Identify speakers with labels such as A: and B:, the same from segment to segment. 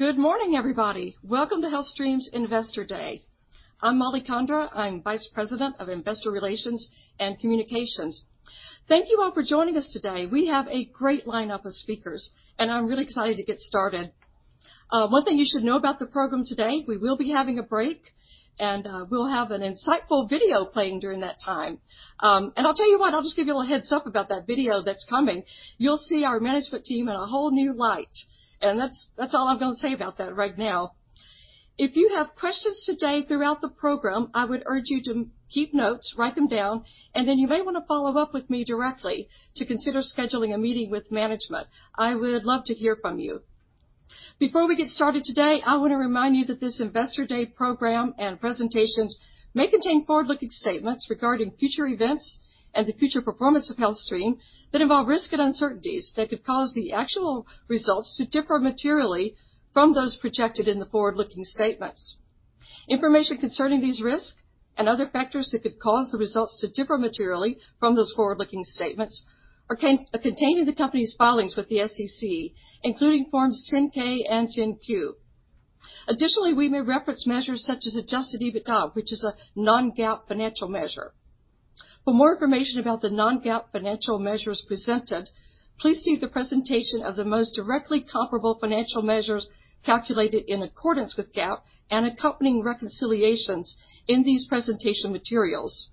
A: Good morning, everybody. Welcome to HealthStream's Investor Day. I'm Mollie Condra. I'm Vice President of Investor Relations and Communications. Thank you all for joining us today. We have a great lineup of speakers, and I'm really excited to get started. One thing you should know about the program today, we will be having a break, and we'll have an insightful video playing during that time. I'll tell you what, I'll just give you a heads up about that video that's coming. You'll see our management team in a whole new light, and that's all I'm gonna say about that right now. If you have questions today throughout the program, I would urge you to keep notes, write them down, and then you may wanna follow up with me directly to consider scheduling a meeting with management. I would love to hear from you. Before we get started today, I want to remind you that this Investor Day program and presentations may contain forward-looking statements regarding future events and the future performance of HealthStream that involve risk and uncertainties that could cause the actual results to differ materially from those projected in the forward-looking statements. Information concerning these risks and other factors that could cause the results to differ materially from those forward-looking statements are contained in the company's filings with the SEC, including Forms 10-K and 10-Q. Additionally, we may reference measures such as adjusted EBITDA, which is a non-GAAP financial measure. For more information about the non-GAAP financial measures presented, please see the presentation of the most directly comparable financial measures calculated in accordance with GAAP and accompanying reconciliations in these presentation materials,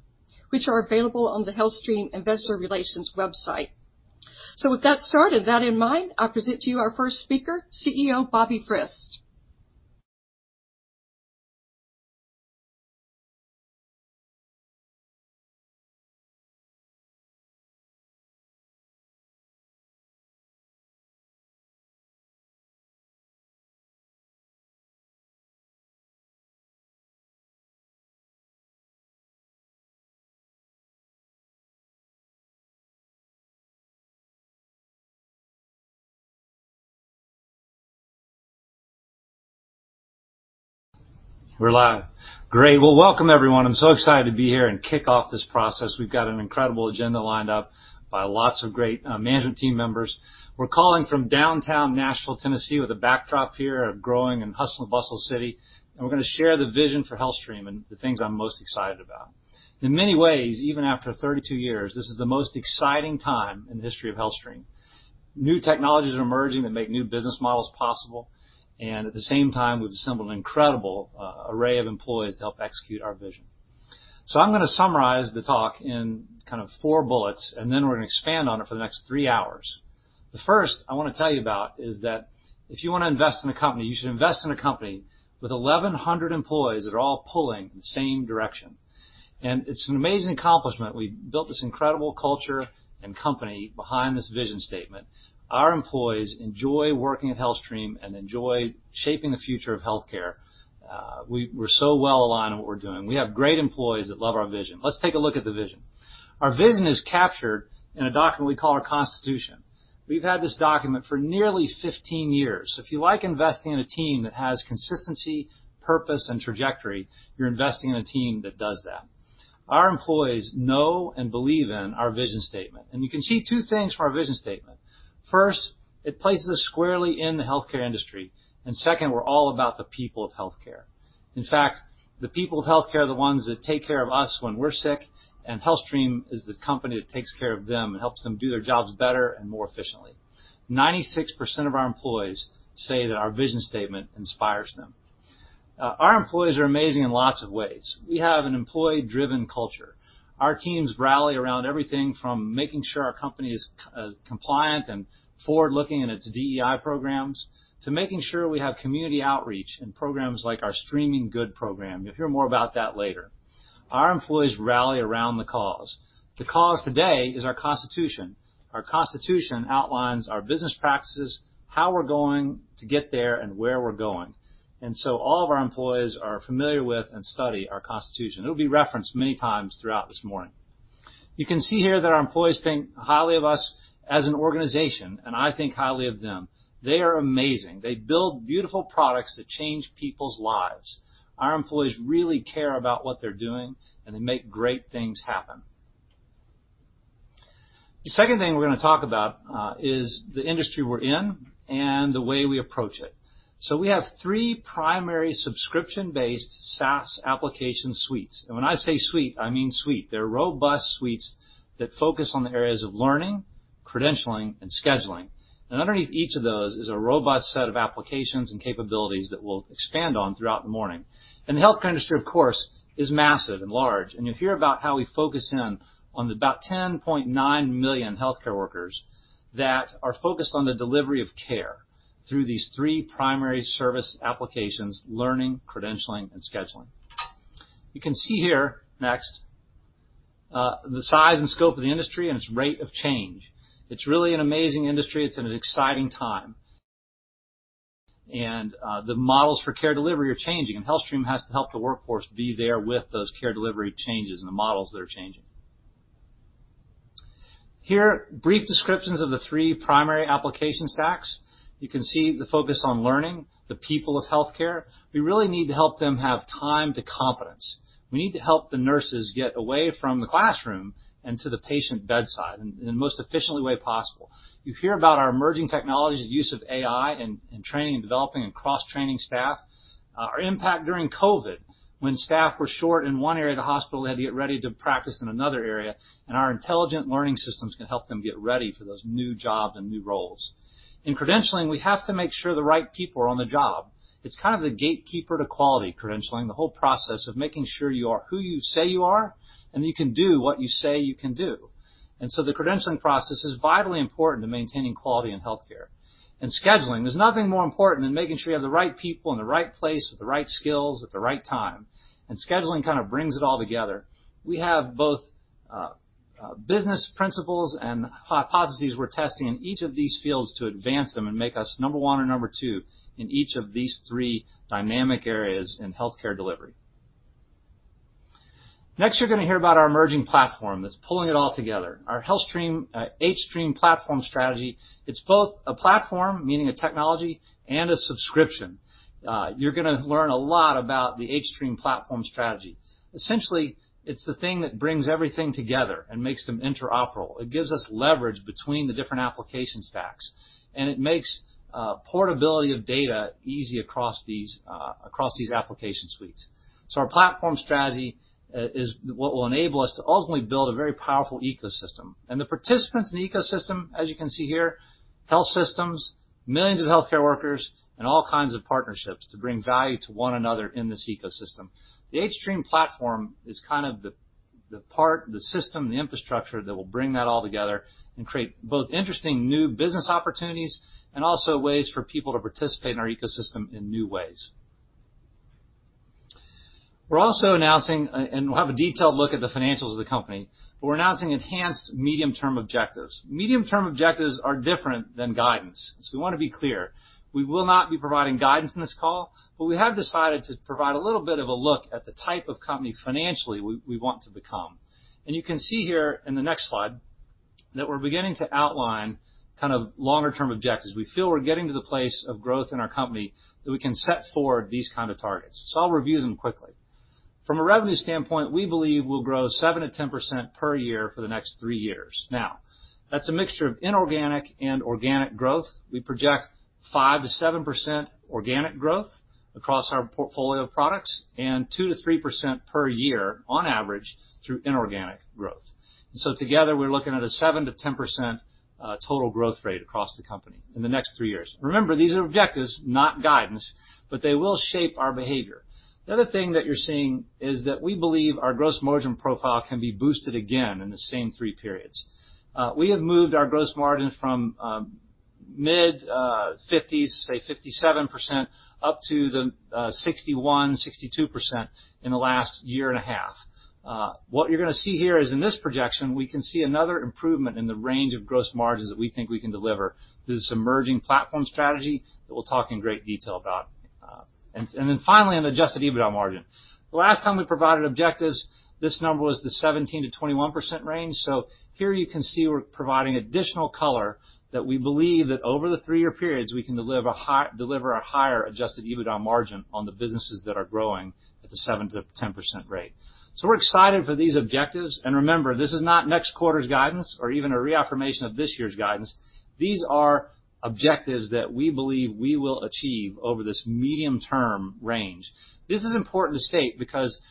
A: which are available on the HealthStream Investor Relations website. With that in mind, I'll present to you our first speaker, CEO Bobby Frist.
B: Well, welcome, everyone. I'm so excited to be here and kick off this process. We've got an incredible agenda lined up by lots of great management team members. We're calling from downtown Nashville, Tennessee, with a backdrop here of growing and hustle and bustle city, and we're gonna share the vision for HealthStream and the things I'm most excited about. In many ways, even after 32 years, this is the most exciting time in the history of HealthStream. New technologies are emerging that make new business models possible, and at the same time, we've assembled an incredible array of employees to help execute our vision. I'm gonna summarize the talk in kind of four bullets, and then we're gonna expand on it for the next three hours. The first I wanna tell you about is that if you wanna invest in a company, you should invest in a company with 1,100 employees that are all pulling in the same direction. It's an amazing accomplishment. We've built this incredible culture and company behind this vision statement. Our employees enjoy working at HealthStream and enjoy shaping the future of healthcare. We're so well aligned in what we're doing. We have great employees that love our vision. Let's take a look at the vision. Our vision is captured in a document we call our Constitution. We've had this document for nearly 15 years. If you like investing in a team that has consistency, purpose, and trajectory, you're investing in a team that does that. Our employees know and believe in our vision statement, and you can see two things from our vision statement. First, it places us squarely in the healthcare industry, and second, we're all about the people of healthcare. In fact, the people of healthcare are the ones that take care of us when we're sick, and HealthStream is the company that takes care of them and helps them do their jobs better and more efficiently. 96% of our employees say that our vision statement inspires them. Our employees are amazing in lots of ways. We have an employee-driven culture. Our teams rally around everything from making sure our company is compliant and forward-looking in its DEI programs, to making sure we have community outreach and programs like our Streaming Good program. You'll hear more about that later. Our employees rally around the cause. The cause today is our Constitution. Our Constitution outlines our business practices, how we're going to get there, and where we're going. All of our employees are familiar with and study our Constitution. It'll be referenced many times throughout this morning. You can see here that our employees think highly of us as an organization, and I think highly of them. They are amazing. They build beautiful products that change people's lives. Our employees really care about what they're doing, and they make great things happen. The second thing we're gonna talk about is the industry we're in and the way we approach it. We have three primary subscription-based SaaS application suites. When I say suite, I mean suite. They're robust suites that focus on the areas of learning, credentialing, and scheduling. Underneath each of those is a robust set of applications and capabilities that we'll expand on throughout the morning. The healthcare industry, of course, is massive and large, and you'll hear about how we focus in on about 10.9 million healthcare workers that are focused on the delivery of care through these three primary service applications: learning, credentialing, and scheduling. You can see here, next, the size and scope of the industry and its rate of change. It's really an amazing industry. It's an exciting time. The models for care delivery are changing, and HealthStream has to help the workforce be there with those care delivery changes and the models that are changing. Here, brief descriptions of the three primary application stacks. You can see the focus on learning, the people of healthcare. We really need to help them have time to competence. We need to help the nurses get away from the classroom and to the patient bedside in the most efficient way possible. You hear about our emerging technologies and use of AI in training and developing and cross-training staff. Our impact during COVID, when staff were short in one area of the hospital, they had to get ready to practice in another area, and our intelligent learning systems can help them get ready for those new jobs and new roles. In credentialing, we have to make sure the right people are on the job. It's kind of the gatekeeper to quality credentialing, the whole process of making sure you are who you say you are, and you can do what you say you can do. The credentialing process is vitally important to maintaining quality in healthcare. In scheduling, there's nothing more important than making sure you have the right people in the right place with the right skills at the right time. Scheduling kind of brings it all together. We have both business principles and hypotheses we're testing in each of these fields to advance them and make us number one or number two in each of these three dynamic areas in healthcare delivery. Next, you're gonna hear about our emerging platform that's pulling it all together. Our HealthStream hStream platform strategy. It's both a platform, meaning a technology, and a subscription. You're gonna learn a lot about the hStream platform strategy. Essentially, it's the thing that brings everything together and makes them interoperable. It gives us leverage between the different application stacks, and it makes portability of data easy across these application suites. Our platform strategy is what will enable us to ultimately build a very powerful ecosystem. The participants in the ecosystem, as you can see here, health systems, millions of healthcare workers, and all kinds of partnerships to bring value to one another in this ecosystem. The hStream platform is kind of the part, the system, the infrastructure that will bring that all together and create both interesting new business opportunities and also ways for people to participate in our ecosystem in new ways. We're also announcing, and we'll have a detailed look at the financials of the company, but we're announcing enhanced medium-term objectives. Medium-term objectives are different than guidance. We wanna be clear, we will not be providing guidance in this call, but we have decided to provide a little bit of a look at the type of company financially we want to become. You can see here in the next slide that we're beginning to outline kind of longer term objectives. We feel we're getting to the place of growth in our company that we can set forward these kind of targets. I'll review them quickly. From a revenue standpoint, we believe we'll grow 7%-10% per year for the next three years. Now, that's a mixture of inorganic and organic growth. We project 5%-7% organic growth across our portfolio of products, and 2%-3% per year on average, through inorganic growth. Together, we're looking at a 7%-10% total growth rate across the company in the next three years. Remember, these are objectives, not guidance, but they will shape our behavior. The other thing that you're seeing is that we believe our gross margin profile can be boosted again in the same three periods. We have moved our gross margin from mid-50s%, say 57%, up to the 61%-62% in the last year and a half. What you're gonna see here is in this projection, we can see another improvement in the range of gross margins that we think we can deliver through this emerging platform strategy that we'll talk in great detail about. Then finally, on adjusted EBITDA margin. The last time we provided objectives, this number was the 17%-21% range. Here you can see we're providing additional color that we believe that over the three-year periods, we can deliver a higher adjusted EBITDA margin on the businesses that are growing at the 7%-10% rate. We're excited for these objectives. Remember, this is not next quarter's guidance or even a reaffirmation of this year's guidance. These are objectives that we believe we will achieve over this medium-term range. This is important to state because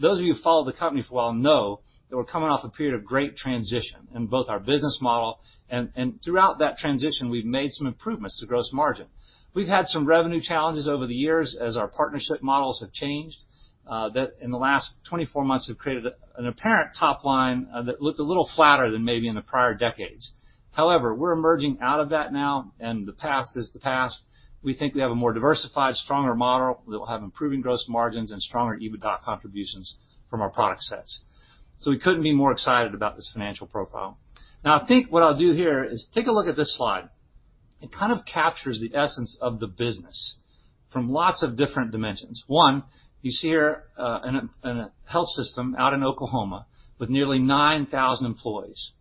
B: those of you who followed the company for a while know that we're coming off a period of great transition in both our business model and throughout that transition, we've made some improvements to gross margin. We've had some revenue challenges over the years as our partnership models have changed, that in the last 24 months have created an apparent top line, that looked a little flatter than maybe in the prior decades. However, we're emerging out of that now, and the past is the past. We think we have a more diversified, stronger model that will have improving gross margins and stronger EBITDA contributions from our product sets. We couldn't be more excited about this financial profile. Now, I think what I'll do here is take a look at this slide. It kind of captures the essence of the business from lots of different dimensions. One, you see here, a health system out in Oklahoma with nearly 9,000 employees.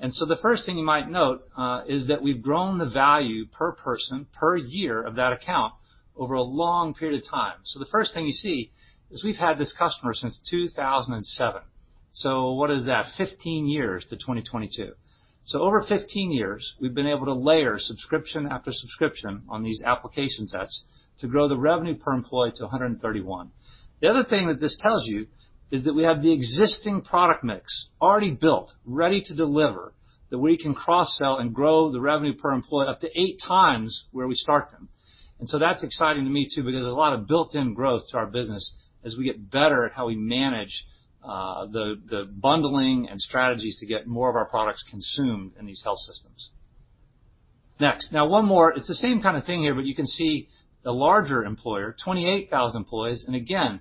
B: The first thing you might note is that we've grown the value per person, per year of that account over a long period of time. The first thing you see is we've had this customer since 2007. What is that? 15 years to 2022. Over 15 years, we've been able to layer subscription after subscription on these application sets to grow the revenue per employee to $131. The other thing that this tells you is that we have the existing product mix already built, ready to deliver, that we can cross-sell and grow the revenue per employee up to 8x where we start them. That's exciting to me, too, because there's a lot of built-in growth to our business as we get better at how we manage the bundling and strategies to get more of our products consumed in these health systems. Next. Now one more. It's the same kind of thing here, but you can see the larger employer, 28,000 employees. Again,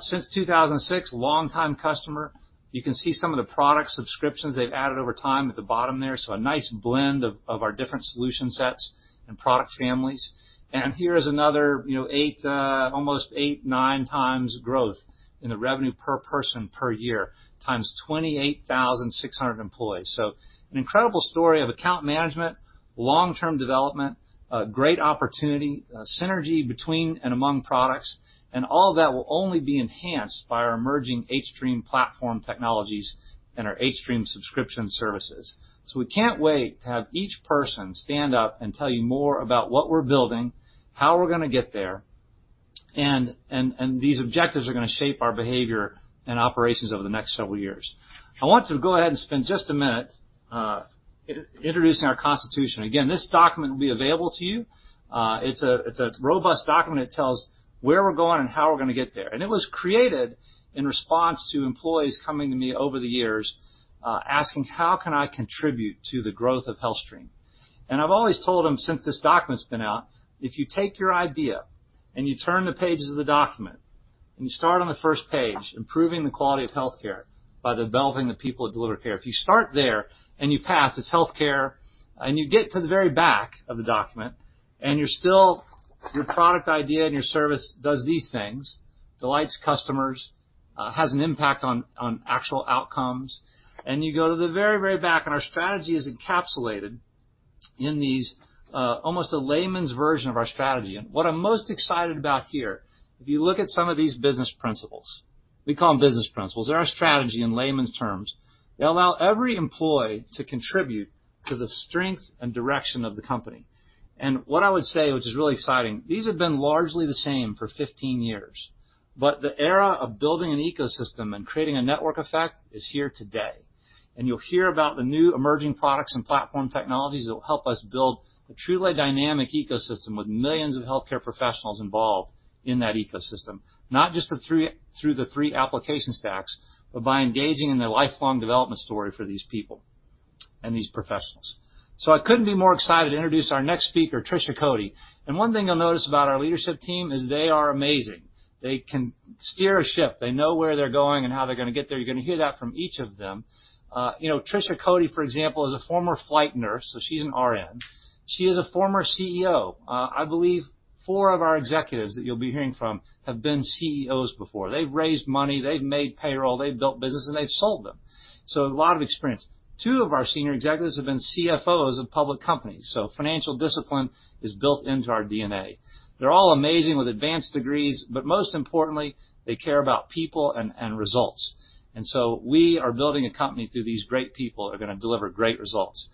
B: since 2006, longtime customer. You can see some of the product subscriptions they've added over time at the bottom there. A nice blend of our different solution sets and product families. Here is another, you know, eight, almost 8x, 9x growth in the revenue per person per year, times 28,600 employees. An incredible story of account management. Long-term development, a great opportunity, synergy between and among products, and all of that will only be enhanced by our emerging hStream platform technologies and our hStream subscription services. We can't wait to have each person stand up and tell you more about what we're building, how we're gonna get there, and these objectives are gonna shape our behavior and operations over the next several years. I want to go ahead and spend just a minute, introducing our Constitution. Again, this document will be available to you. It's a robust document. It tells where we're going and how we're gonna get there. It was created in response to employees coming to me over the years, asking how can I contribute to the growth of HealthStream? I've always told them since this document's been out, if you take your idea and you turn the pages of the document, and you start on the first page, improving the quality of healthcare by developing the people that deliver care. If you start there and you pass, it's healthcare, and you get to the very back of the document, and you're still, your product idea and your service does these things, delights customers, has an impact on on actual outcomes. You go to the very, very back, and our strategy is encapsulated in these, almost a layman's version of our strategy. What I'm most excited about here, if you look at some of these business principles, we call them business principles. They're our strategy in layman's terms. They allow every employee to contribute to the strength and direction of the company. What I would say, which is really exciting, these have been largely the same for 15 years. The era of building an ecosystem and creating a network effect is here today. You'll hear about the new emerging products and platform technologies that will help us build a truly dynamic ecosystem with millions of healthcare professionals involved in that ecosystem. Not just through the three application stacks, but by engaging in the lifelong development story for these people and these professionals. I couldn't be more excited to introduce our next speaker, Trisha Coady. One thing you'll notice about our leadership team is they are amazing. They can steer a ship. They know where they're going and how they're gonna get there. You're gonna hear that from each of them. You know, Trisha Coady, for example, is a former flight nurse, so she's an RN. She is a former CEO. I believe four of our executives that you'll be hearing from have been CEOs before. They've raised money, they've made payroll, they've built business, and they've sold them. A lot of experience. Two of our senior executives have been CFOs of public companies. Financial discipline is built into our DNA. They're all amazing with advanced degrees, but most importantly, they care about people and results. We are building a company through these great people that are gonna deliver great results.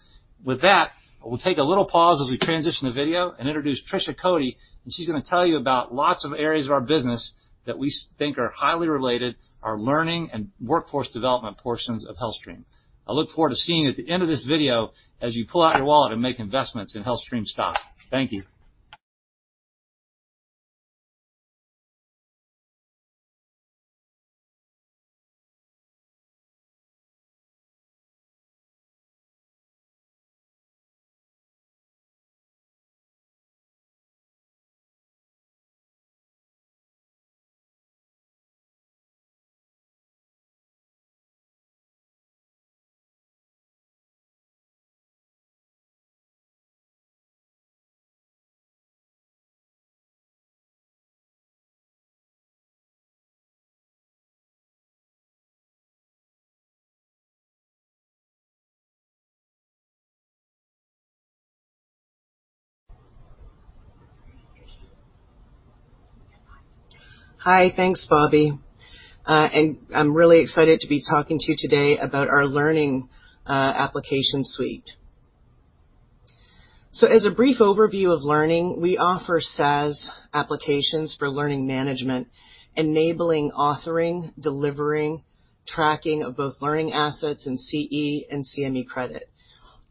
B: With that, we'll take a little pause as we transition to video and introduce Trisha Coady, and she's gonna tell you about lots of areas of our business that we think are highly related, our learning and workforce development portions of HealthStream. I look forward to seeing you at the end of this video as you pull out your wallet and make investments in HealthStream stock. Thank you.
C: Hi. Thanks, Bobby. I'm really excited to be talking to you today about our learning application suite. As a brief overview of learning, we offer SaaS applications for learning management, enabling authoring, delivering, tracking of both learning assets and CE and CME credit.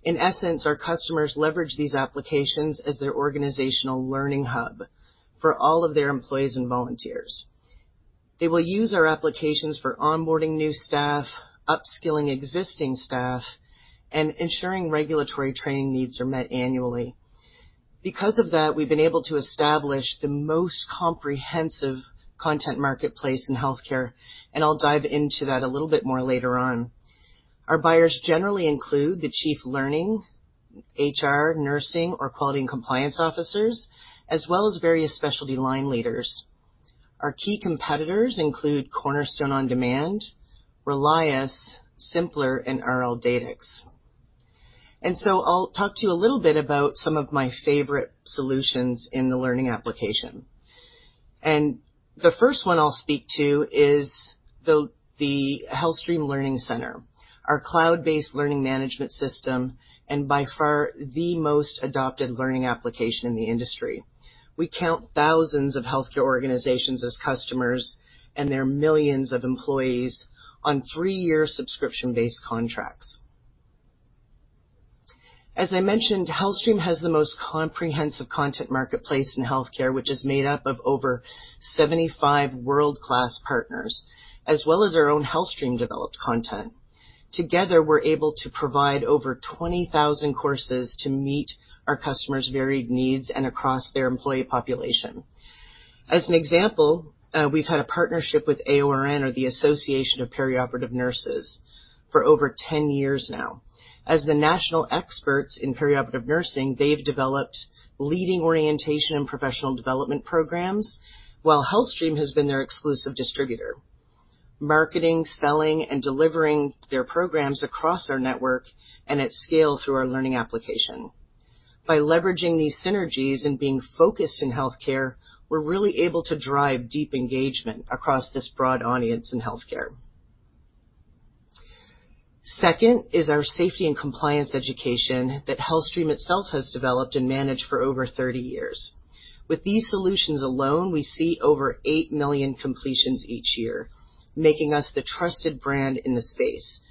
C: In essence, our customers leverage these applications as their organizational learning hub for all of their employees and volunteers. They will use our applications for onboarding new staff, upskilling existing staff, and ensuring regulatory training needs are met annually. Because of that, we've been able to establish the most comprehensive content marketplace in healthcare, and I'll dive into that a little bit more later on. Our buyers generally include the chief learning, HR, nursing, or quality and compliance officers, as well as various specialty line leaders. Our key competitors include Cornerstone OnDemand, Relias, symplr, and RLDatix. I'll talk to you a little bit about some of my favorite solutions in the learning application. The first one I'll speak to is the HealthStream Learning Center, our cloud-based learning management system, and by far the most adopted learning application in the industry. We count thousands of healthcare organizations as customers and their millions of employees on three-year subscription-based contracts. As I mentioned, HealthStream has the most comprehensive content marketplace in healthcare, which is made up of over 75 world-class partners, as well as our own HealthStream-developed content. Together, we're able to provide over 20,000 courses to meet our customers' varied needs and across their employee population. As an example, we've had a partnership with AORN, or the Association of periOperative Registered Nurses, for over 10 years now. As the national experts in perioperative nursing, they've developed leading orientation and professional development programs, while HealthStream has been their exclusive distributor. Marketing, selling, and delivering their programs across our network and at scale through our learning application. By leveraging these synergies and being focused in healthcare, we're really able to drive deep engagement across this broad audience in healthcare. Second is our safety and compliance education that HealthStream itself has developed and managed for over 30 years. With these solutions alone, we see over 8 million completions each year, making us the trusted brand in the space.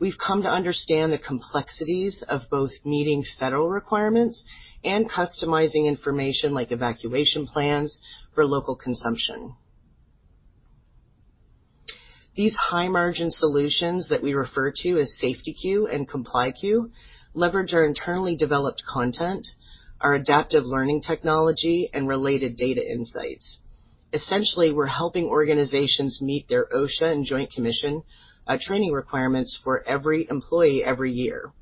C: We've come to understand the complexities of both meeting federal requirements and customizing information like evacuation plans for local consumption. These high-margin solutions that we refer to as SafetyQ and ComplyQ leverage our internally developed content, our adaptive learning technology, and related data insights. Essentially, we're helping organizations meet their OSHA and Joint Commission training requirements for every employee every year.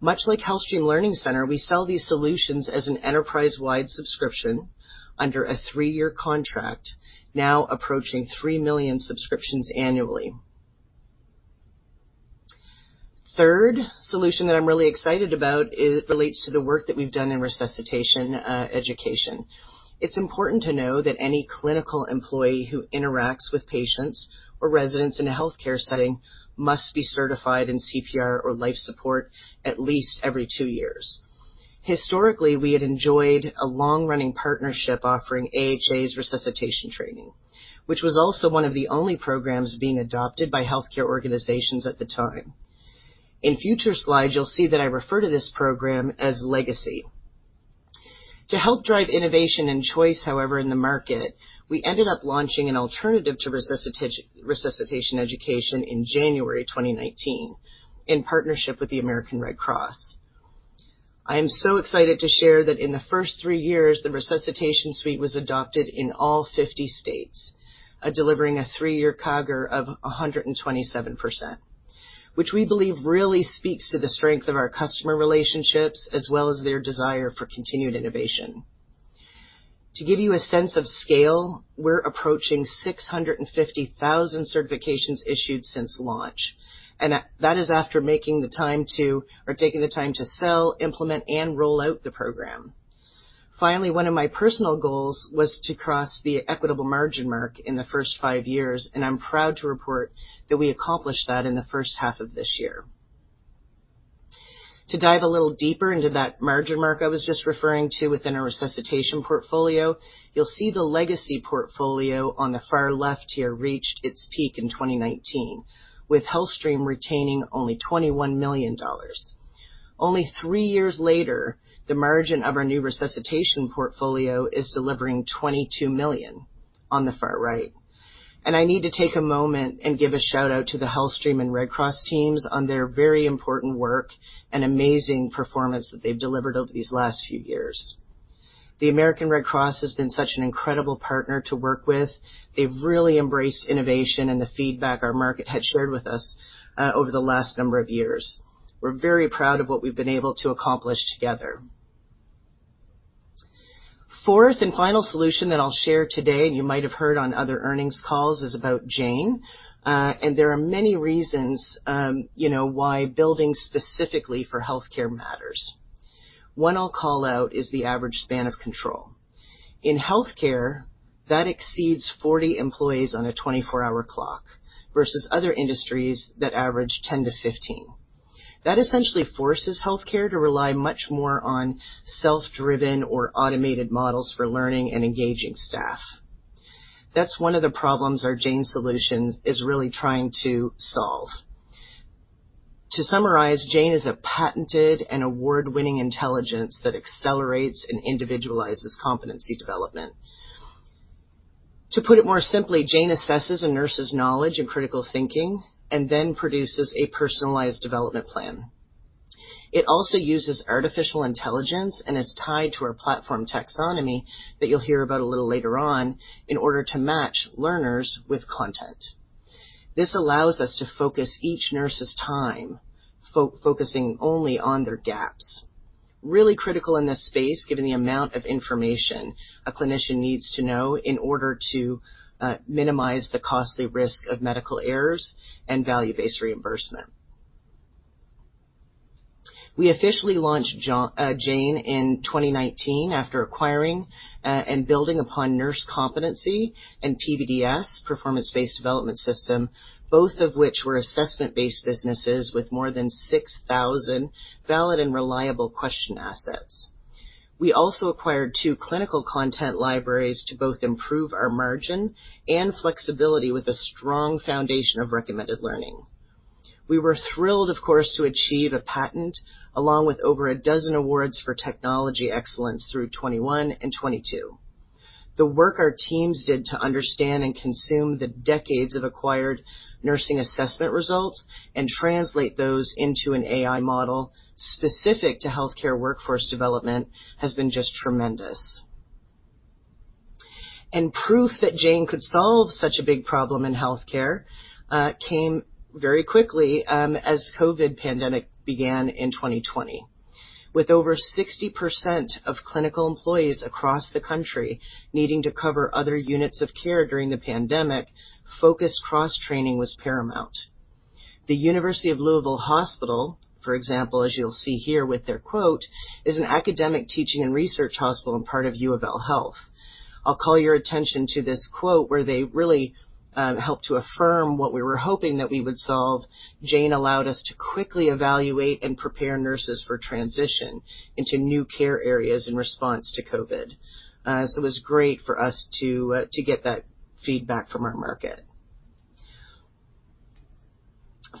C: Much like HealthStream Learning Center, we sell these solutions as an enterprise-wide subscription under a three-year contract, now approaching 3 million subscriptions annually. Third solution that I'm really excited about is relates to the work that we've done in resuscitation education. It's important to know that any clinical employee who interacts with patients or residents in a healthcare setting must be certified in CPR or life support at least every two years. Historically, we had enjoyed a long-running partnership offering AHA's resuscitation training, which was also one of the only programs being adopted by healthcare organizations at the time. In future slides, you'll see that I refer to this program as Legacy. To help drive innovation and choice, however, in the market, we ended up launching an alternative to resuscitation education in January 2019 in partnership with the American Red Cross. I am so excited to share that in the first three years, the resuscitation suite was adopted in all 50 states, delivering a three-year CAGR of 127%, which we believe really speaks to the strength of our customer relationships as well as their desire for continued innovation. To give you a sense of scale, we're approaching 650,000 certifications issued since launch, and that is after taking the time to sell, implement, and roll out the program. Finally, one of my personal goals was to cross the equitable margin mark in the first five years, and I'm proud to report that we accomplished that in the first half of this year. To dive a little deeper into that margin mark I was just referring to within our resuscitation portfolio, you'll see the Legacy portfolio on the far left here reached its peak in 2019, with HealthStream retaining only $21 million. Only three years later, the margin of our new resuscitation portfolio is delivering $22 million on the far right. I need to take a moment and give a shout-out to the HealthStream and American Red Cross teams on their very important work and amazing performance that they've delivered over these last few years. The American Red Cross has been such an incredible partner to work with. They've really embraced innovation and the feedback our market had shared with us over the last number of years. We're very proud of what we've been able to accomplish together. Fourth and final solution that I'll share today, and you might have heard on other earnings calls, is about Jane. There are many reasons, you know, why building specifically for healthcare matters. One I'll call out is the average span of control. In healthcare, that exceeds 40 employees on a 24-hour clock versus other industries that average 10-15. That essentially forces healthcare to rely much more on self-driven or automated models for learning and engaging staff. That's one of the problems our Jane Solutions is really trying to solve. To summarize, Jane is a patented and award-winning intelligence that accelerates and individualizes competency development. To put it more simply, Jane assesses a nurse's knowledge and critical thinking and then produces a personalized development plan. It also uses artificial intelligence and is tied to our platform taxonomy that you'll hear about a little later on in order to match learners with content. This allows us to focus each nurse's time focusing only on their gaps. Really critical in this space, given the amount of information a clinician needs to know in order to minimize the costly risk of medical errors and value-based reimbursement. We officially launched Jane in 2019 after acquiring and building upon Nurse Competency and PBDS, Performance-Based Development System, both of which were assessment-based businesses with more than 6,000 valid and reliable question assets. We also acquired two clinical content libraries to both improve our margin and flexibility with a strong foundation of recommended learning. We were thrilled, of course, to achieve a patent, along with over a dozen awards for technology excellence through 2021 and 2022. The work our teams did to understand and consume the decades of acquired nursing assessment results and translate those into an AI model specific to healthcare workforce development has been just tremendous. Proof that Jane could solve such a big problem in healthcare came very quickly, as COVID pandemic began in 2020. With over 60% of clinical employees across the country needing to cover other units of care during the pandemic, focused cross-training was paramount. The University of Louisville Hospital, for example, as you'll see here with their quote, is an academic teaching and research hospital and part of UofL Health. I'll call your attention to this quote where they really helped to affirm what we were hoping that we would solve. Jane allowed us to quickly evaluate and prepare nurses for transition into new care areas in response to COVID. It was great for us to get that feedback from our market.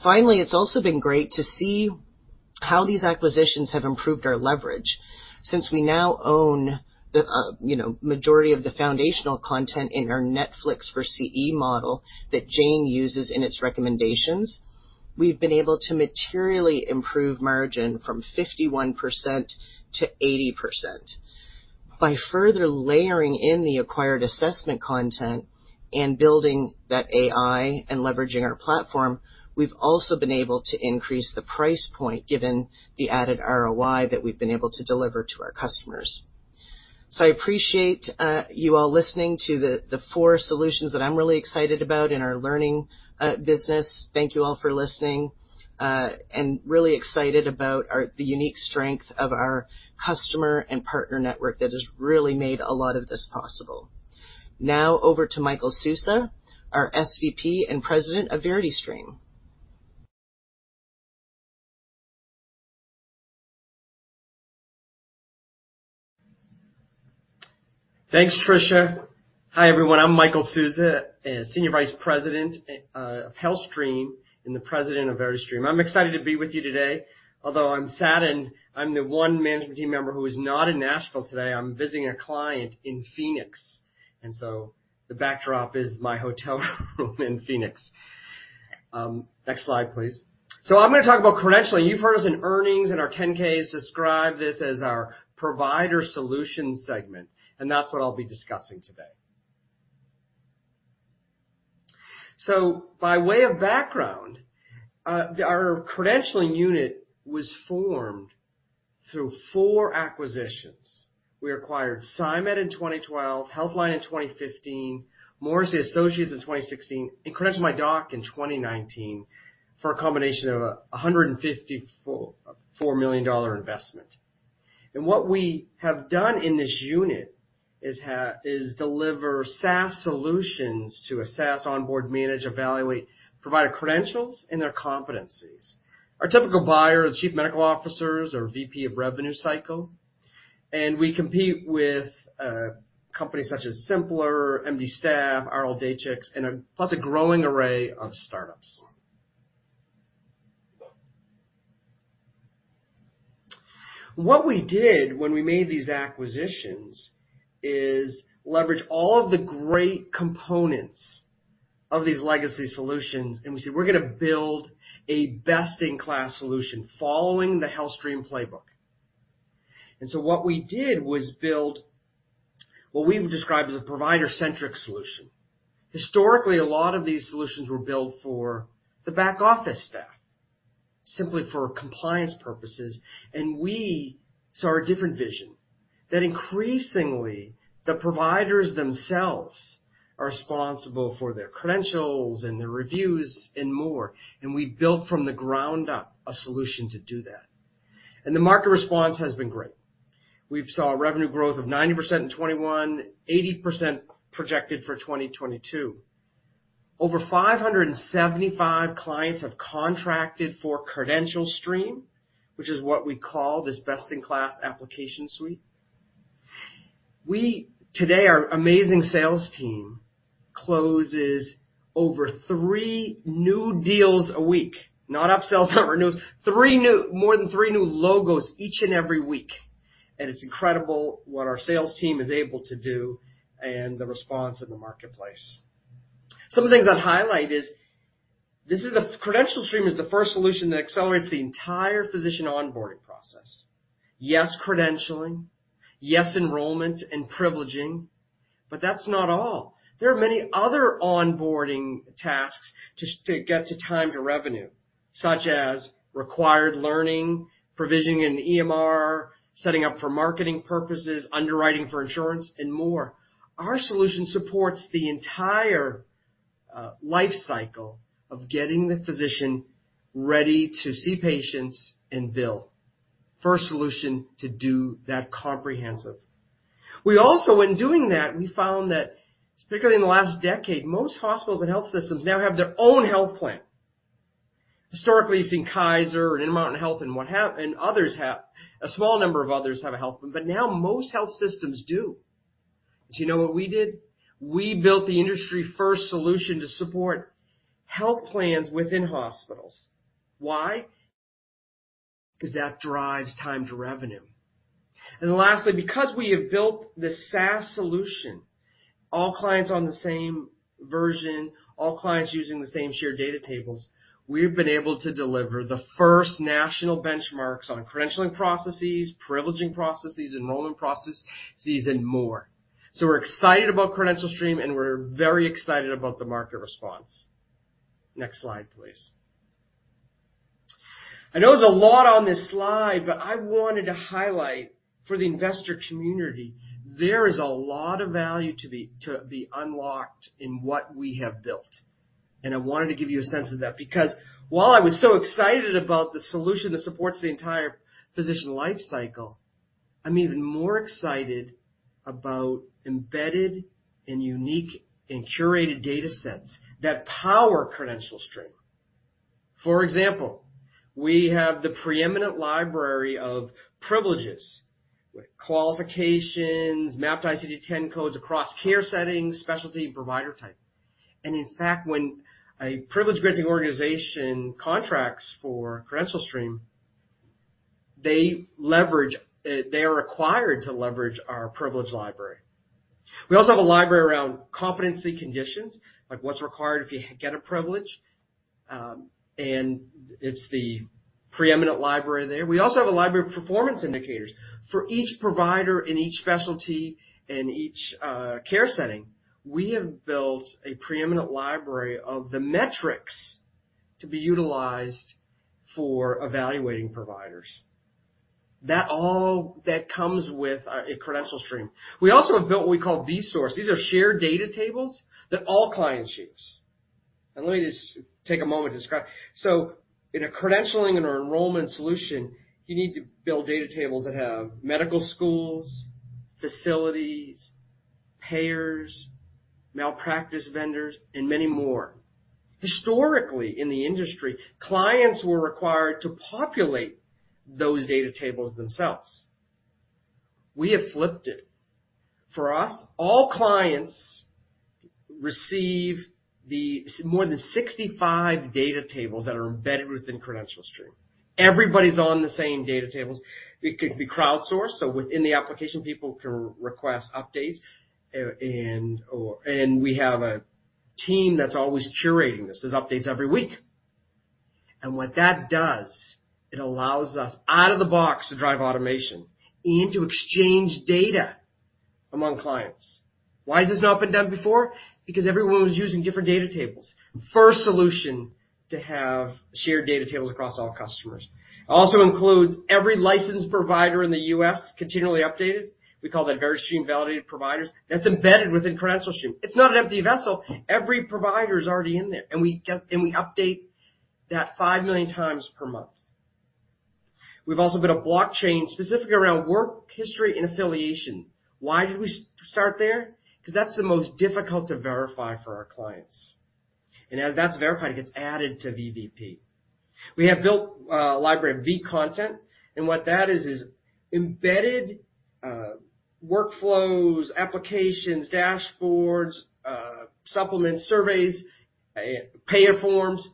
C: Finally, it's also been great to see how these acquisitions have improved our leverage. Since we now own the majority of the foundational content in our Netflix for CE model that Jane uses in its recommendations, we've been able to materially improve margin from 51%-80%. By further layering in the acquired assessment content and building that AI and leveraging our platform, we've also been able to increase the price point given the added ROI that we've been able to deliver to our customers. I appreciate you all listening to the four solutions that I'm really excited about in our learning business. Thank you all for listening. Really excited about the unique strength of our customer and partner network that has really made a lot of this possible. Now over to Michael Sousa, our SVP and President of VerityStream.
D: Thanks, Trisha. Hi, everyone. I'm Michael Sousa, Senior Vice President of HealthStream and the President of VerityStream. I'm excited to be with you today. Although I'm saddened, I'm the one management team member who is not in Nashville today. I'm visiting a client in Phoenix, and the backdrop is my hotel room in Phoenix. Next slide, please. I'm gonna talk about credentialing. You've heard us in earnings and our 10-Ks describe this as our provider solutions segment, and that's what I'll be discussing today. By way of background, our credentialing unit was formed through four acquisitions. We acquired Sy.Med in 2012, HealthLine Systems in 2015, Morrissey Associates in 2016, and CredentialMyDoc in 2019 for a combination of a $154 million investment. What we have done in this unit is is deliver SaaS solutions to assess, onboard, manage, evaluate provider credentials and their competencies. Our typical buyer is chief medical officers or VP of revenue cycle, and we compete with companies such as symplr, MD-Staff, RLDatix, and plus a growing array of startups. What we did when we made these acquisitions is leverage all of the great components of these legacy solutions, and we said, "We're gonna build a best-in-class solution following the HealthStream playbook." What we did was build what we've described as a provider-centric solution. Historically, a lot of these solutions were built for the back office staff simply for compliance purposes. We saw a different vision that increasingly the providers themselves are responsible for their credentials and their reviews and more, and we built from the ground up a solution to do that. The market response has been great. We saw a revenue growth of 90% in 2021, 80% projected for 2022. Over 575 clients have contracted for CredentialStream, which is what we call this best-in-class application suite. Today, our amazing sales team closes over three new deals a week. Not upsells, not renews. More than three new logos each and every week. It's incredible what our sales team is able to do and the response in the marketplace. Some of the things I'd highlight is CredentialStream is the first solution that accelerates the entire physician onboarding process. Yes, credentialing, yes, enrollment and privileging, but that's not all. There are many other onboarding tasks to get to time to revenue, such as required learning, provisioning an EMR, setting up for marketing purposes, underwriting for insurance, and more. Our solution supports the entire life cycle of getting the physician ready to see patients and bill. First solution to do that comprehensive. We also, in doing that, we found that particularly in the last decade, most hospitals and health systems now have their own health plan. Historically, you've seen Kaiser and Intermountain Health and what have you and others have. A small number of others have a health plan, but now most health systems do. Do you know what we did? We built the industry-first solution to support health plans within hospitals. Why? 'Cause that drives time to revenue. Lastly, because we have built the SaaS solution, all clients on the same version, all clients using the same shared data tables, we've been able to deliver the first national benchmarks on credentialing processes, privileging processes, enrollment processes, and more. We're excited about CredentialStream, and we're very excited about the market response. Next slide, please. I know there's a lot on this slide, but I wanted to highlight for the investor community, there is a lot of value to be unlocked in what we have built. I wanted to give you a sense of that because while I was so excited about the solution that supports the entire physician life cycle, I'm even more excited about embedded and unique and curated data sets that power CredentialStream. For example, we have the preeminent library of privileges, qualifications, mapped ICD-10 codes across care settings, specialty, and provider type. In fact, when a privilege-granting organization contracts for CredentialStream, they leverage, they are required to leverage our privilege library. We also have a library around competency conditions, like what's required if you get a privilege, and it's the preeminent library there. We also have a library of performance indicators. For each provider in each specialty and each care setting, we have built a preeminent library of the metrics to be utilized for evaluating providers. That comes with CredentialStream. We also have built what we call vSource. These are shared data tables that all clients use. Let me just take a moment to describe. In a credentialing or enrollment solution, you need to build data tables that have medical schools, facilities, payers, malpractice vendors, and many more. Historically, in the industry, clients were required to populate those data tables themselves. We have flipped it. For us, all clients receive more than 65 data tables that are embedded within CredentialStream. Everybody's on the same data tables. It could be crowdsourced, so within the application, people can request updates, and we have a team that's always curating this. There's updates every week. What that does, it allows us out of the box to drive automation and to exchange data among clients. Why has this not been done before? Because everyone was using different data tables. First solution to have shared data tables across all customers. It also includes every licensed provider in the U.S., continually updated. We call that VerityStream Validated Providers. That's embedded within CredentialStream. It's not an empty vessel. Every provider is already in there, and we update that 5 million times per month. We've also built a blockchain specifically around work history and affiliation. Why did we start there? Because that's the most difficult to verify for our clients. As that's verified, it gets added to VVP. We have built a library of vContent, and what that is embedded workflows, applications, dashboards, supplements, surveys, payer forms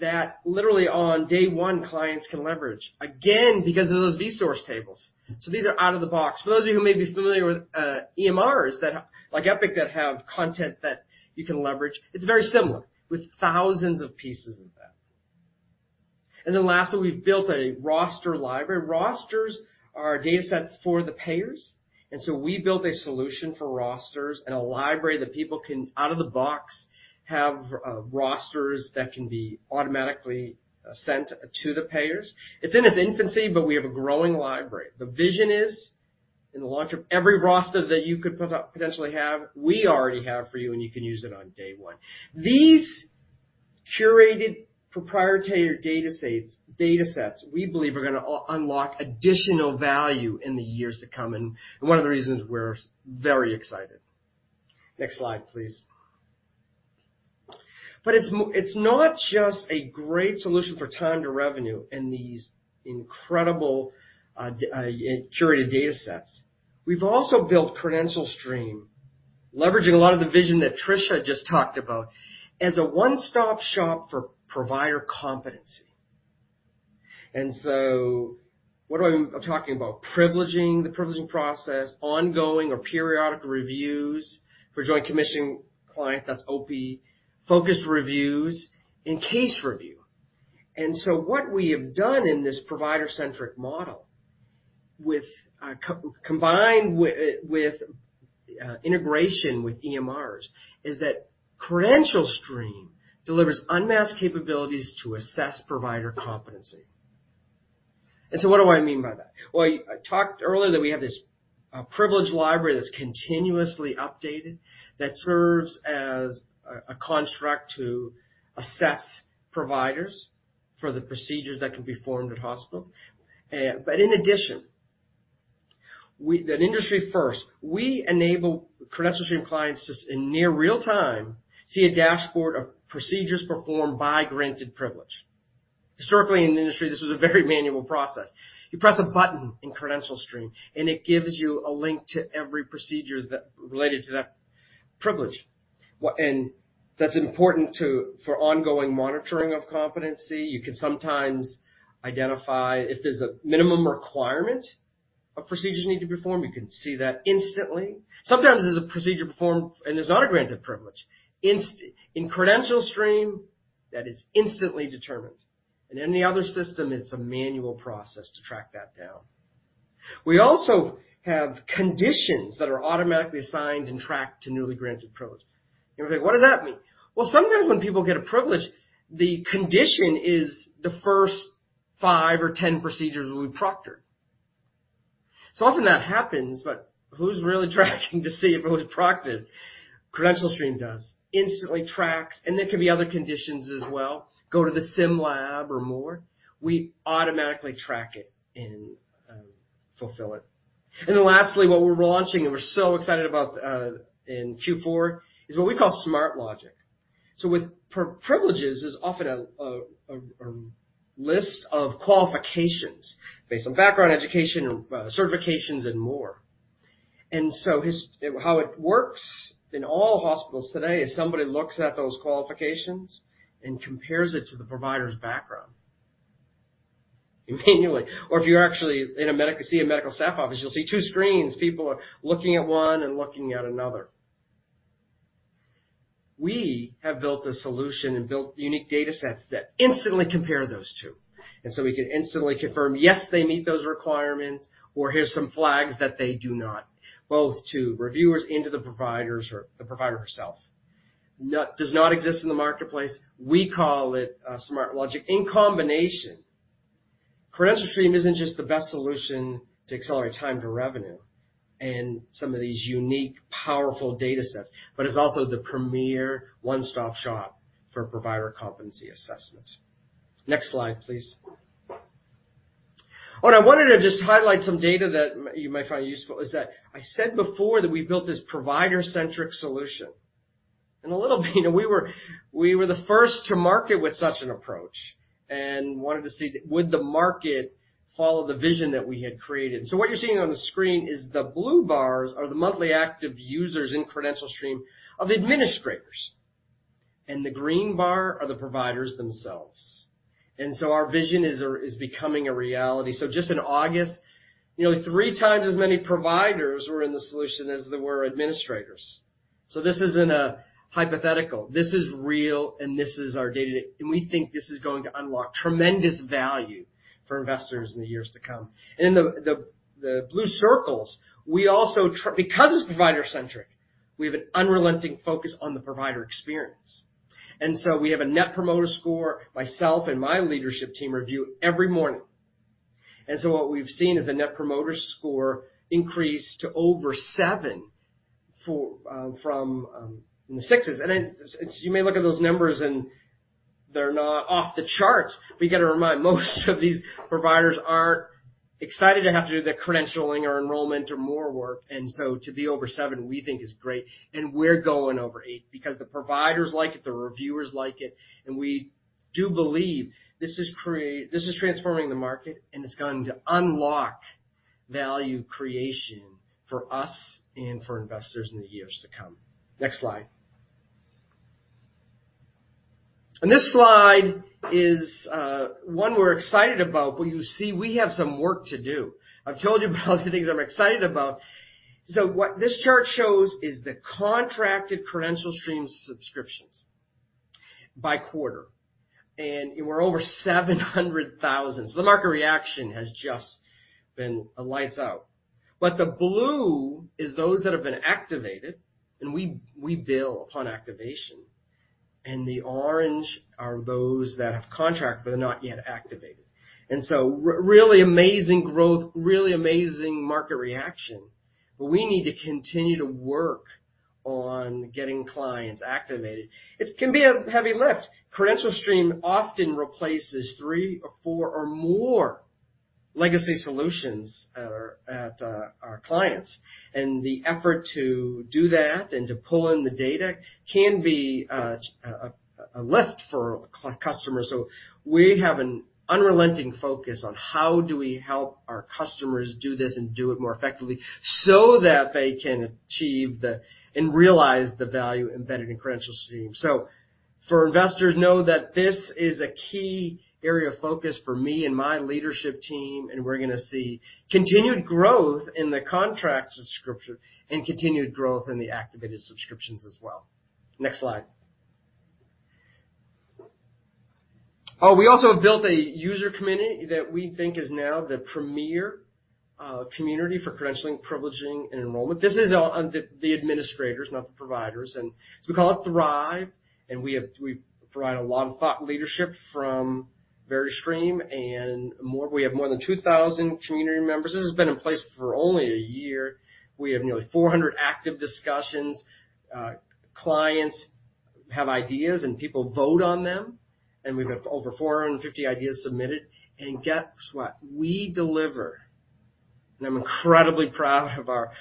D: that literally on day one, clients can leverage, again, because of those vSource tables. These are out of the box. For those of you who may be familiar with EMRs that like Epic that have content that you can leverage, it's very similar with thousands of pieces of that. Lastly, we've built a roster library. Rosters are datasets for the payers. We built a solution for rosters and a library that people can, out of the box, have, rosters that can be automatically sent to the payers. It's in its infancy, but we have a growing library. The vision is in the launch of every roster that you could potentially have, we already have for you, and you can use it on day one. These curated proprietary data sets, data sets we believe are gonna unlock additional value in the years to come and one of the reasons we're very excited. Next slide, please. It's not just a great solution for time to revenue and these incredible, curated data sets. We've also built CredentialStream, leveraging a lot of the vision that Trisha just talked about, as a one-stop shop for provider competency. What I'm talking about privileging, the privileging process, ongoing or periodic reviews for Joint Commission clients, that's OPPE-focused reviews, and case review. What we have done in this provider-centric model, combined with integration with EMRs, is that CredentialStream delivers unmatched capabilities to assess provider competency. What do I mean by that? Well, I talked earlier that we have this privilege library that's continuously updated that serves as a construct to assess providers for the procedures that can be performed at hospitals. But in addition, an industry first, we enable CredentialStream clients to, in near real time, see a dashboard of procedures performed by granted privilege. Historically, in the industry, this was a very manual process. You press a button in CredentialStream, and it gives you a link to every procedure that related to that privilege. That's important to, for ongoing monitoring of competency. You can sometimes identify if there's a minimum requirement of procedures you need to perform, you can see that instantly. Sometimes there's a procedure performed, and it's not a granted privilege. In CredentialStream, that is instantly determined. In any other system, it's a manual process to track that down. We also have conditions that are automatically assigned and tracked to newly granted pros. You're gonna say, "What does that mean?" Well, sometimes when people get a privilege, the condition is the first five or 10 procedures will be proctored. Often that happens, but who's really tracking to see if it was proctored? CredentialStream does. Instantly tracks, and there could be other conditions as well, go to the sim lab or more. We automatically track it and fulfill it. Lastly, what we're launching, and we're so excited about, in Q4, is what we call Smart Logic. With privileges, there's often a list of qualifications based on background, education, or certifications and more. How it works in all hospitals today is somebody looks at those qualifications and compares it to the provider's background manually. Or if you're actually in a medical staff office, you'll see two screens. People are looking at one and looking at another. We have built a solution and built unique datasets that instantly compare those two, and so we can instantly confirm, yes, they meet those requirements, or here's some flags that they do not, both to reviewers and to the providers or the provider herself. Does not exist in the marketplace. We call it smart logic. In combination, CredentialStream isn't just the best solution to accelerate time to revenue and some of these unique, powerful datasets, but it's also the premier one-stop shop for provider competency assessments. Next slide, please. What I wanted to just highlight some data that you might find useful is that I said before that we built this provider-centric solution. In a little bit, we were the first to market with such an approach and wanted to see would the market follow the vision that we had created. What you're seeing on the screen is the blue bars are the monthly active users in CredentialStream of administrators, and the green bar are the providers themselves. Our vision is becoming a reality. Just in August, nearly three times as many providers were in the solution as there were administrators. This isn't a hypothetical. This is real, and this is our day-to-day. We think this is going to unlock tremendous value for investors in the years to come. In the blue circles, we also because it's provider-centric, we have an unrelenting focus on the provider experience. We have a Net Promoter Score myself and my leadership team review every morning. What we've seen is the Net Promoter Score increase to over seven for, from, in the sixes. You may look at those numbers and they're not off the charts, but you gotta remind, most of these providers aren't excited to have to do the credentialing or enrollment or more work, and so to be over seven, we think is great. We're going over eight because the providers like it, the reviewers like it, and we do believe this is transforming the market, and it's going to unlock value creation for us and for investors in the years to come. Next slide. This slide is one we're excited about, but you see we have some work to do. I've told you about the things I'm excited about. What this chart shows is the contracted CredentialStream subscriptions by quarter, and we're over 700,000. The market reaction has just been a lights out. The blue is those that have been activated, and we bill upon activation, and the orange are those that have contract but are not yet activated. Really amazing growth, really amazing market reaction. We need to continue to work on getting clients activated. It can be a heavy lift. CredentialStream often replaces three or four or more legacy solutions at our clients. The effort to do that and to pull in the data can be a lift for a customer. We have an unrelenting focus on how do we help our customers do this and do it more effectively so that they can achieve and realize the value embedded in CredentialStream. For investors, know that this is a key area of focus for me and my leadership team, and we're gonna see continued growth in the contract subscription and continued growth in the activated subscriptions as well. Next slide. We also have built a user community that we think is now the premier community for credentialing, privileging, and enrollment. This is the administrators, not the providers. We call it Thrive, and we provide a lot of thought leadership from VerityStream and more. We have more than 2,000 community members. This has been in place for only a year. We have nearly 400 active discussions. Clients have ideas, and people vote on them. We've had over 450 ideas submitted. Guess what? We deliver. I'm incredibly proud of our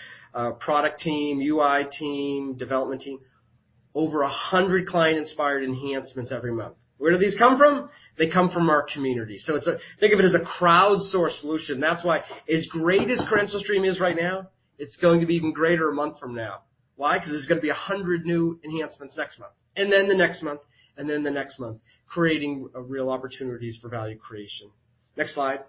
D: product team, UI team, development team. Over 100 client-inspired enhancements every month. Where do these come from? They come from our community. So it's a crowdsourced solution. Think of it as a crowdsourced solution. That's why as great as CredentialStream is right now, it's going to be even greater a month from now. Why? Because there's gonna be 100 new enhancements next month and then the next month and then the next month, creating a real opportunities for value creation. Next slide.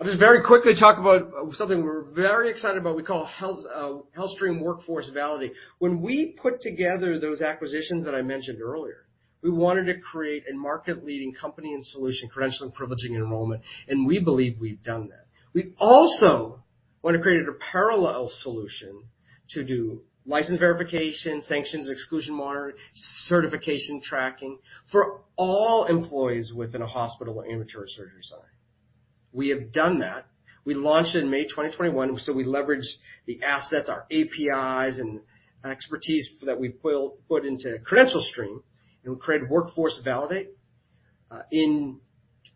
D: I'll just very quickly talk about something we're very excited about, we call HealthStream Workforce Validate. When we put together those acquisitions that I mentioned earlier, we wanted to create a market-leading company and solution, credentialing, privileging, and enrollment, and we believe we've done that. We also want to create a parallel solution to do license verification, sanctions exclusion monitoring, certification tracking for all employees within a hospital or ambulatory surgery center. We have done that. We launched in May 2021, so we leveraged the assets, our APIs and expertise that we put into CredentialStream, and we created Workforce Validate. In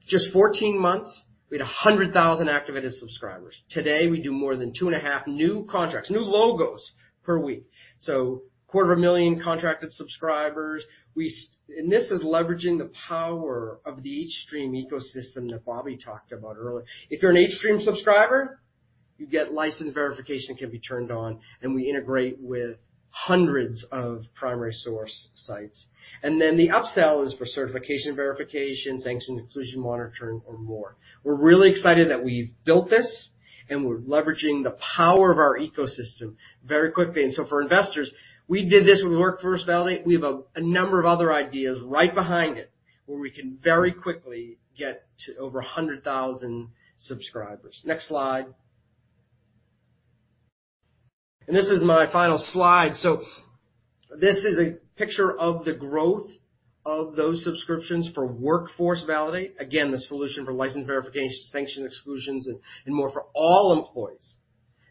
D: just 14 months, we had 100,000 activated subscribers. Today, we do more than 2.5 new contracts, new logos per week. Quarter of a million contracted subscribers. This is leveraging the power of the hStream ecosystem that Bobby talked about earlier. If you're an hStream subscriber, you get license verification can be turned on, and we integrate with hundreds of primary source sites. Then the upsell is for certification verification, sanctions exclusion monitoring or more. We're really excited that we've built this, and we're leveraging the power of our ecosystem very quickly. For investors, we did this with Workforce Validate. We have a number of other ideas right behind it where we can very quickly get to over 100,000 subscribers. Next slide. This is my final slide. This is a picture of the growth of those subscriptions for Workforce Validate. Again, the solution for license verification, sanction exclusions, and more for all employees.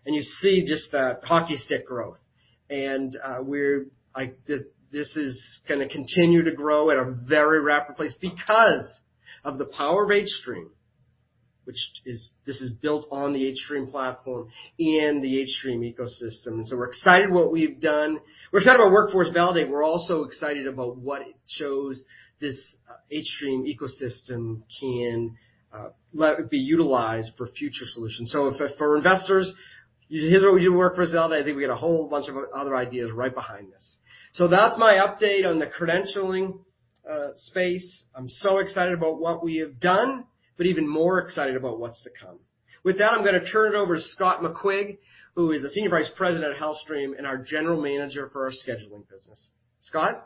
D: You see just that hockey stick growth. This is gonna continue to grow at a very rapid pace because of the power of hStream, which is this is built on the hStream platform and the hStream ecosystem. We're excited what we've done. We're excited about Workforce Validate. We're also excited about what it shows this hStream ecosystem can be utilized for future solutions. For investors, here's what we do with Workforce Validate. I think we got a whole bunch of other ideas right behind this. That's my update on the credentialing space. I'm so excited about what we have done, but even more excited about what's to come. With that, I'm gonna turn it over to Scott McQuigg, who is the Senior Vice President of HealthStream and our general manager for our scheduling business. Scott?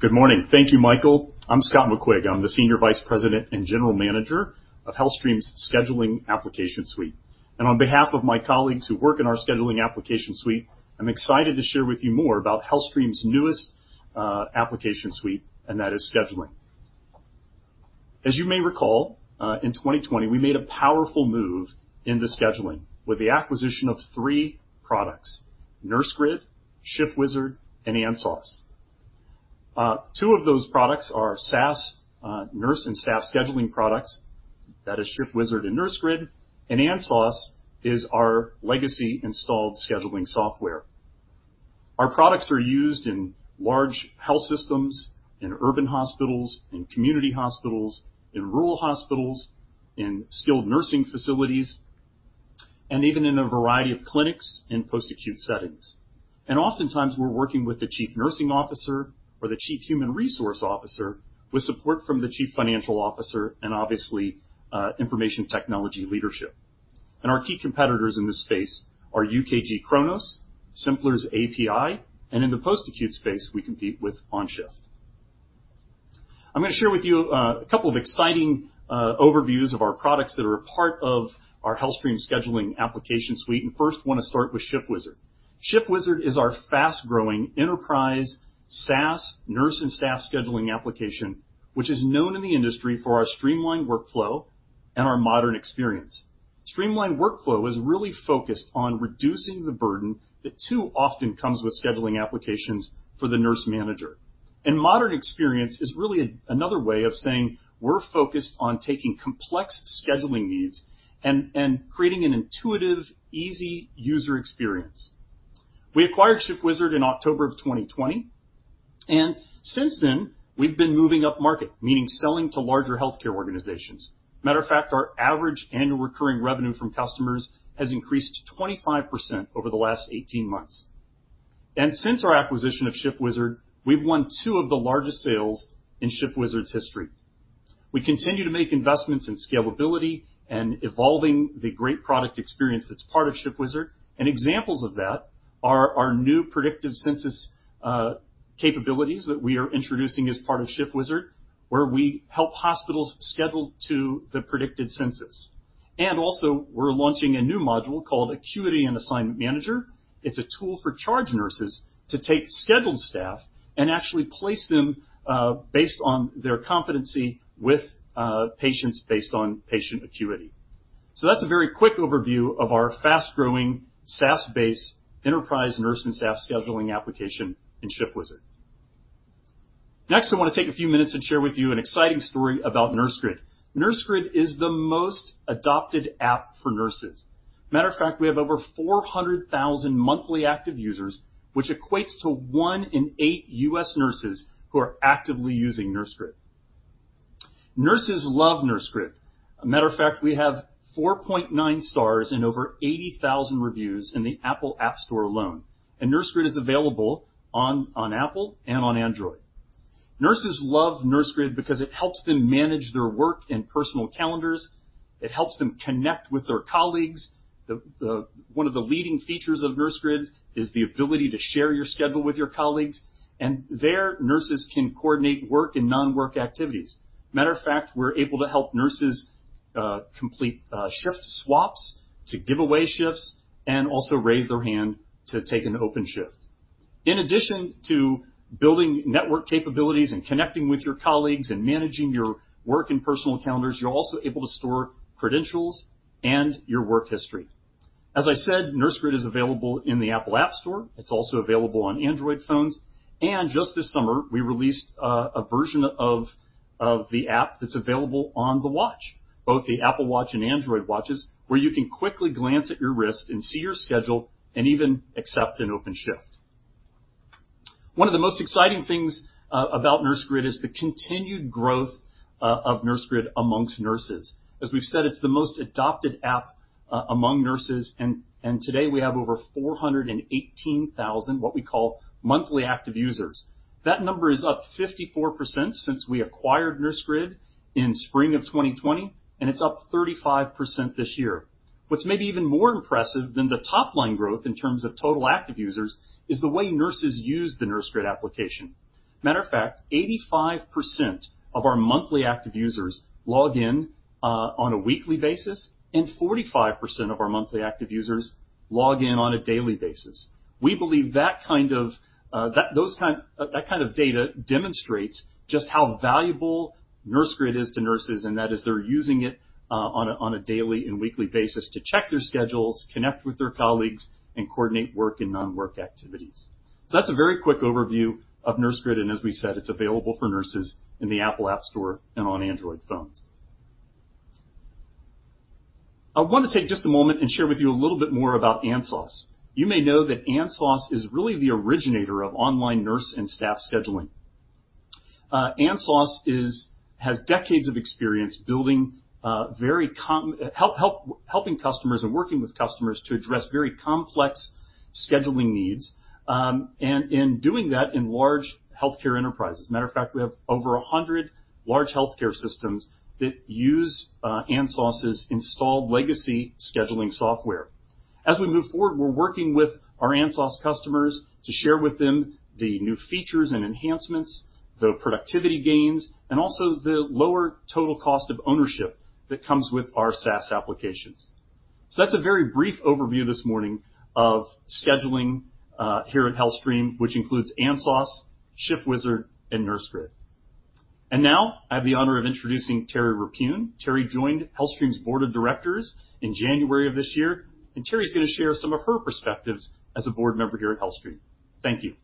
E: Good morning. Thank you, Michael. I'm Scott McQuigg. I'm the senior vice president and general manager of HealthStream's Scheduling Application Suite. On behalf of my colleagues who work in our Scheduling Application Suite, I'm excited to share with you more about HealthStream's newest application suite, and that is Scheduling. As you may recall, in 2020, we made a powerful move into Scheduling with the acquisition of three products: NurseGrid, ShiftWizard, and ANSOS. Two of those products are SaaS nurse and staff scheduling products. That is ShiftWizard and NurseGrid. ANSOS is our legacy installed scheduling software. Our products are used in large health systems, in urban hospitals, in community hospitals, in rural hospitals, in skilled nursing facilities, and even in a variety of clinics in post-acute settings. Oftentimes, we're working with the chief nursing officer or the chief human resource officer with support from the chief financial officer and obviously, information technology leadership. Our key competitors in this space are UKG Kronos, symplr's API Healthcare, and in the post-acute space, we compete with OnShift. I'm gonna share with you a couple of exciting overviews of our products that are a part of our HealthStream Scheduling Application Suite, and first wanna start with ShiftWizard. ShiftWizard is our fast-growing enterprise SaaS nurse and staff scheduling application, which is known in the industry for our streamlined workflow and our modern experience. Streamlined workflow is really focused on reducing the burden that too often comes with scheduling applications for the nurse manager. Modern experience is really another way of saying we're focused on taking complex scheduling needs and creating an intuitive, easy user experience. We acquired ShiftWizard in October of 2020, and since then, we've been moving upmarket, meaning selling to larger healthcare organizations. Matter of fact, our average annual recurring revenue from customers has increased 25% over the last 18 months. Since our acquisition of ShiftWizard, we've won two of the largest sales in ShiftWizard's history. We continue to make investments in scalability and evolving the great product experience that's part of ShiftWizard. Examples of that are our new predictive census capabilities that we are introducing as part of ShiftWizard, where we help hospitals schedule to the predicted census. We're launching a new module called Acuity and Assignment Manager. It's a tool for charge nurses to take scheduled staff and actually place them based on their competency with patients based on patient acuity. That's a very quick overview of our fast-growing, SaaS-based enterprise nurse and staff scheduling application in ShiftWizard. Next, I wanna take a few minutes and share with you an exciting story about NurseGrid. NurseGrid is the most adopted app for nurses. Matter of fact, we have over 400,000 monthly active users, which equates to one in eight U.S. nurses who are actively using NurseGrid. Nurses love NurseGrid. A matter of fact, we have 4.9 stars in over 80,000 reviews in the Apple App Store alone. NurseGrid is available on Apple and Android. Nurses love NurseGrid because it helps them manage their work and personal calendars. It helps them connect with their colleagues. One of the leading features of NurseGrid is the ability to share your schedule with your colleagues, and then nurses can coordinate work and non-work activities. Matter of fact, we're able to help nurses complete shift swaps to give away shifts and also raise their hand to take an open shift. In addition to building network capabilities and connecting with your colleagues and managing your work and personal calendars, you're also able to store credentials and your work history. As I said, NurseGrid is available in the Apple App Store. It's also available on Android phones. Just this summer, we released a version of the app that's available on the watch, both the Apple Watch and Android watches, where you can quickly glance at your wrist and see your schedule and even accept an open shift. One of the most exciting things about NurseGrid is the continued growth of NurseGrid among nurses. As we've said, it's the most adopted app among nurses. Today we have over 418,000 what we call monthly active users. That number is up 54% since we acquired NurseGrid in spring of 2020, and it's up 35% this year. What's maybe even more impressive than the top line growth in terms of total active users is the way nurses use the NurseGrid application. Matter of fact, 85% of our monthly active users log in on a weekly basis, and 45% of our monthly active users log in on a daily basis. We believe that kind of data demonstrates just how valuable NurseGrid is to nurses, and that is they're using it on a daily and weekly basis to check their schedules, connect with their colleagues, and coordinate work and non-work activities. That's a very quick overview of NurseGrid, and as we said, it's available for nurses in the Apple App Store and on Android phones. I want to take just a moment and share with you a little bit more about ANSOS. You may know that ANSOS is really the originator of online nurse and staff scheduling. ANSOS has decades of experience building, helping customers and working with customers to address very complex scheduling needs, and in doing that in large healthcare enterprises. Matter of fact, we have over 100 large healthcare systems that use ANSOS' installed legacy scheduling software. As we move forward, we're working with our ANSOS customers to share with them the new features and enhancements, the productivity gains, and also the lower total cost of ownership that comes with our SaaS applications. That's a very brief overview this morning of scheduling here at HealthStream, which includes ANSOS, ShiftWizard, and NurseGrid. Now I have the honor of introducing Terry Rappuhn. Terry joined HealthStream's board of directors in January of this year. Terry is gonna share some of her perspectives as a board member here at HealthStream. Thank you.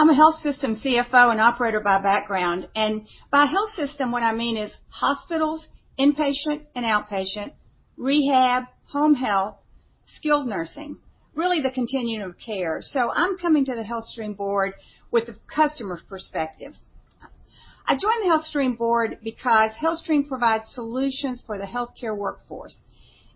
F: I'm a health system CFO and operator by background. By health system, what I mean is hospitals, inpatient and outpatient, rehab, home health, skilled nursing, really the continuum of care. I'm coming to the HealthStream board with the customer's perspective. I joined the HealthStream board because HealthStream provides solutions for the healthcare workforce.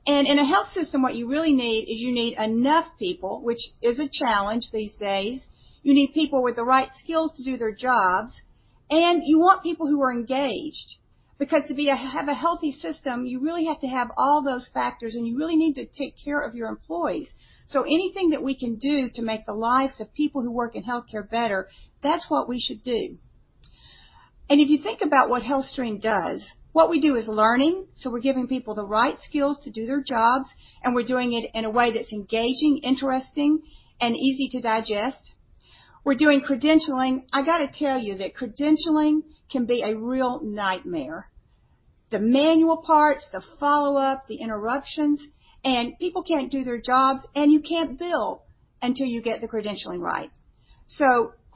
F: In a health system, what you really need is you need enough people, which is a challenge these days. You need people with the right skills to do their jobs, and you want people who are engaged. To have a healthy system, you really have to have all those factors, and you really need to take care of your employees. Anything that we can do to make the lives of people who work in healthcare better, that's what we should do. If you think about what HealthStream does, what we do is learning. We're giving people the right skills to do their jobs, and we're doing it in a way that's engaging, interesting, and easy to digest. We're doing credentialing. I gotta tell you that credentialing can be a real nightmare. The manual parts, the follow-up, the interruptions, and people can't do their jobs, and you can't bill until you get the credentialing right.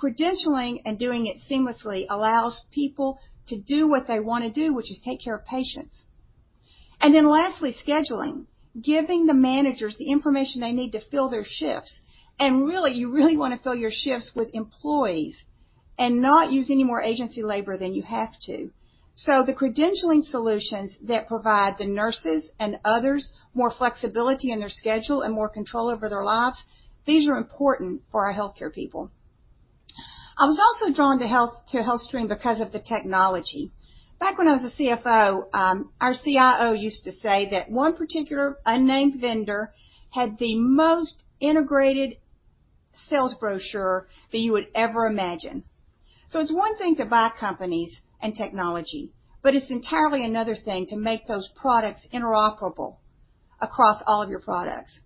F: Credentialing and doing it seamlessly allows people to do what they wanna do, which is take care of patients. Then lastly, scheduling, giving the managers the information they need to fill their shifts. Really, you really wanna fill your shifts with employees and not use any more agency labor than you have to. The credentialing solutions that provide the nurses and others more flexibility in their schedule and more control over their lives, these are important for our healthcare people. I was also drawn to Health, to HealthStream because of the technology. Back when I was a CFO, our CIO used to say that one particular unnamed vendor had the most integrated sales brochure that you would ever imagine. It's one thing to buy companies and technology, but it's entirely another thing to make those products interoperable across all of your products.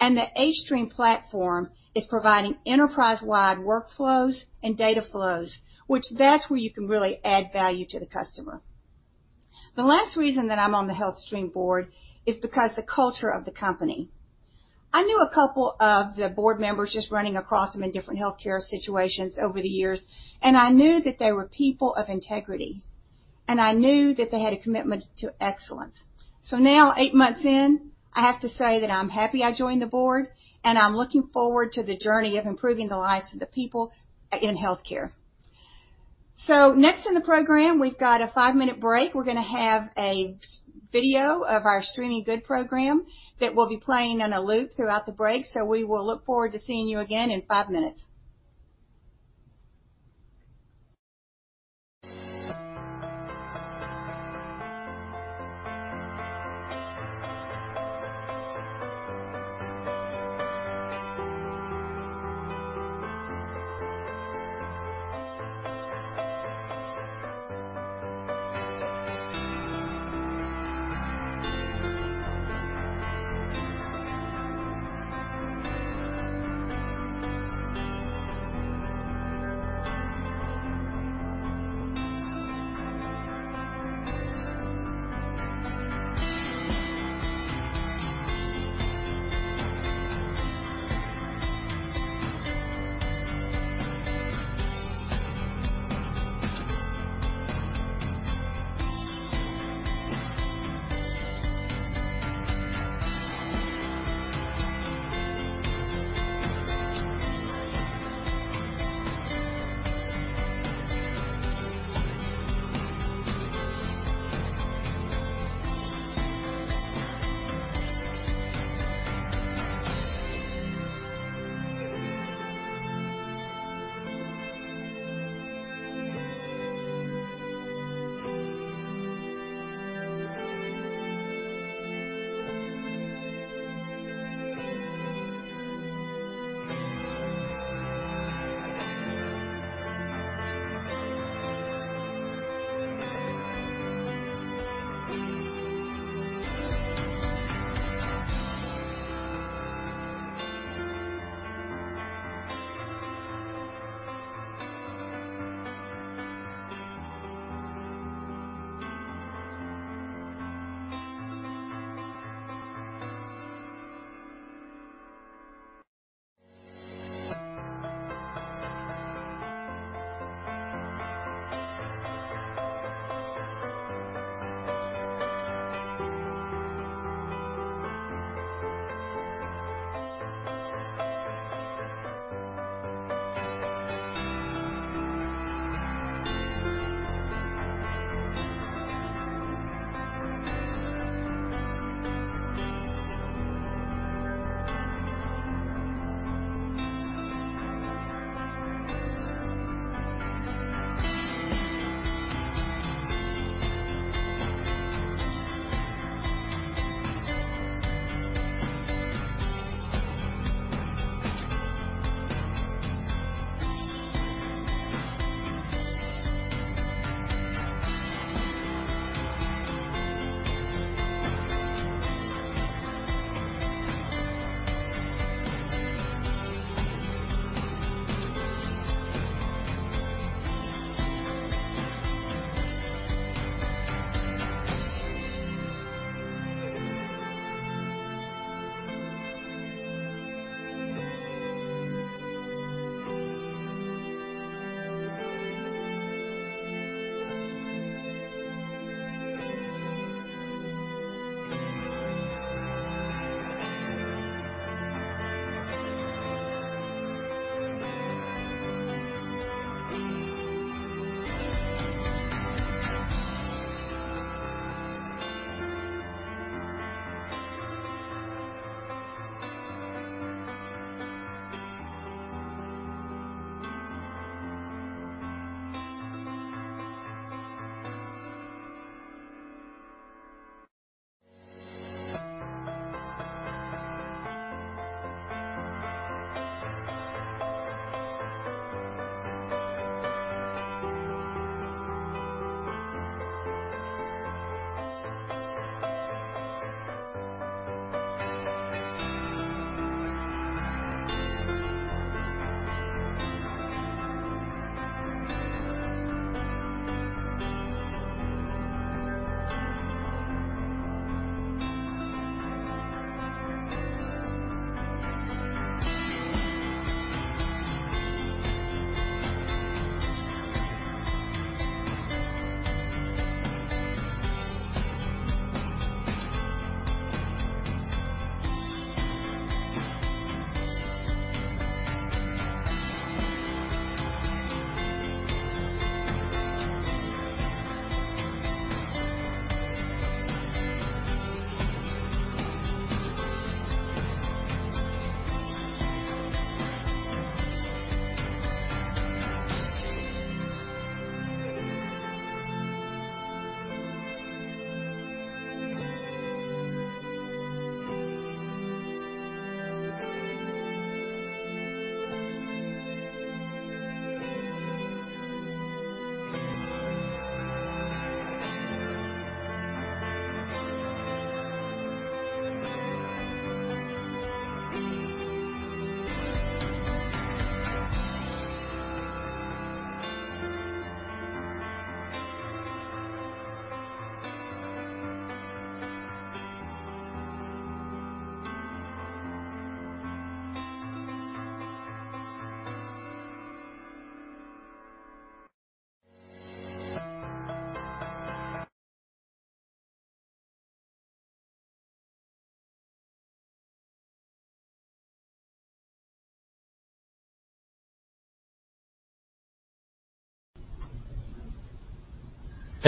F: The hStream platform is providing enterprise-wide workflows and data flows, which that's where you can really add value to the customer. The last reason that I'm on the HealthStream board is because the culture of the company. I knew a couple of the board members just running across them in different healthcare situations over the years, and I knew that they were people of integrity, and I knew that they had a commitment to excellence. Now eight months in, I have to say that I'm happy I joined the board, and I'm looking forward to the journey of improving the lives of the people in healthcare. Next in the program, we've got a five-minute break. We're gonna have a short video of our Streaming Good program that will be playing on a loop throughout the break. We will look forward to seeing you again in five minutes.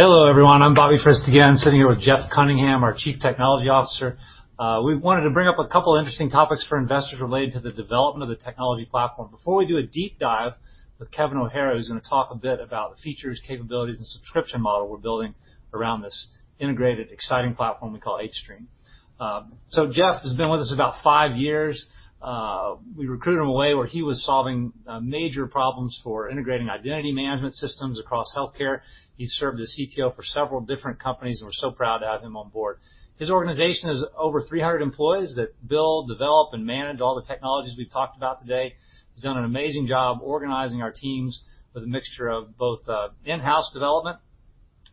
B: Hello, everyone. I'm Bobby Frist, sitting here with Jeffrey Cunningham, our Chief Technology Officer. We wanted to bring up a couple interesting topics for investors related to the development of the technology platform. Before we do a deep dive with Kevin O'Hara, who's gonna talk a bit about the features, capabilities, and subscription model we're building around this integrated, exciting platform we call hStream. So Jeff has been with us about five years. We recruited him away where he was solving major problems for integrating identity management systems across healthcare. He served as CTO for several different companies, and we're so proud to have him on board. His organization has over 300 employees that build, develop, and manage all the technologies we've talked about today. He's done an amazing job organizing our teams with a mixture of both in-house development.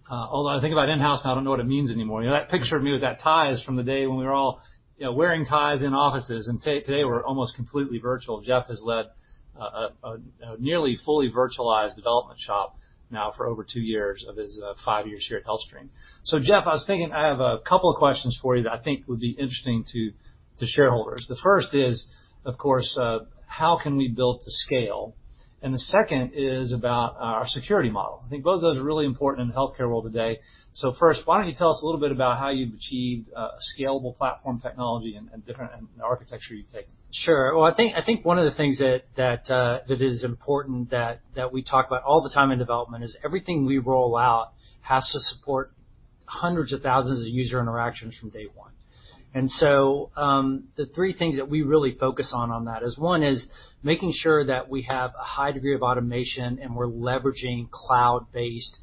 B: Although I think about in-house, and I don't know what it means anymore. You know that picture of me with that tie is from the day when we were all, you know, wearing ties in offices, and today we're almost completely virtual. Jeff has led a nearly fully virtualized development shop now for over two years of his five years here at HealthStream. Jeff, I was thinking, I have a couple of questions for you that I think would be interesting to shareholders. The first is, of course, how can we build to scale? The second is about our security model. I think both of those are really important in the healthcare world today. First, why don't you tell us a little bit about how you've achieved a scalable platform technology and the architecture you've taken?
G: Sure. Well, I think one of the things that is important that we talk about all the time in development is everything we roll out has to support hundreds of thousands of user interactions from day one. The three things that we really focus on that is one, making sure that we have a high degree of automation and we're leveraging cloud-based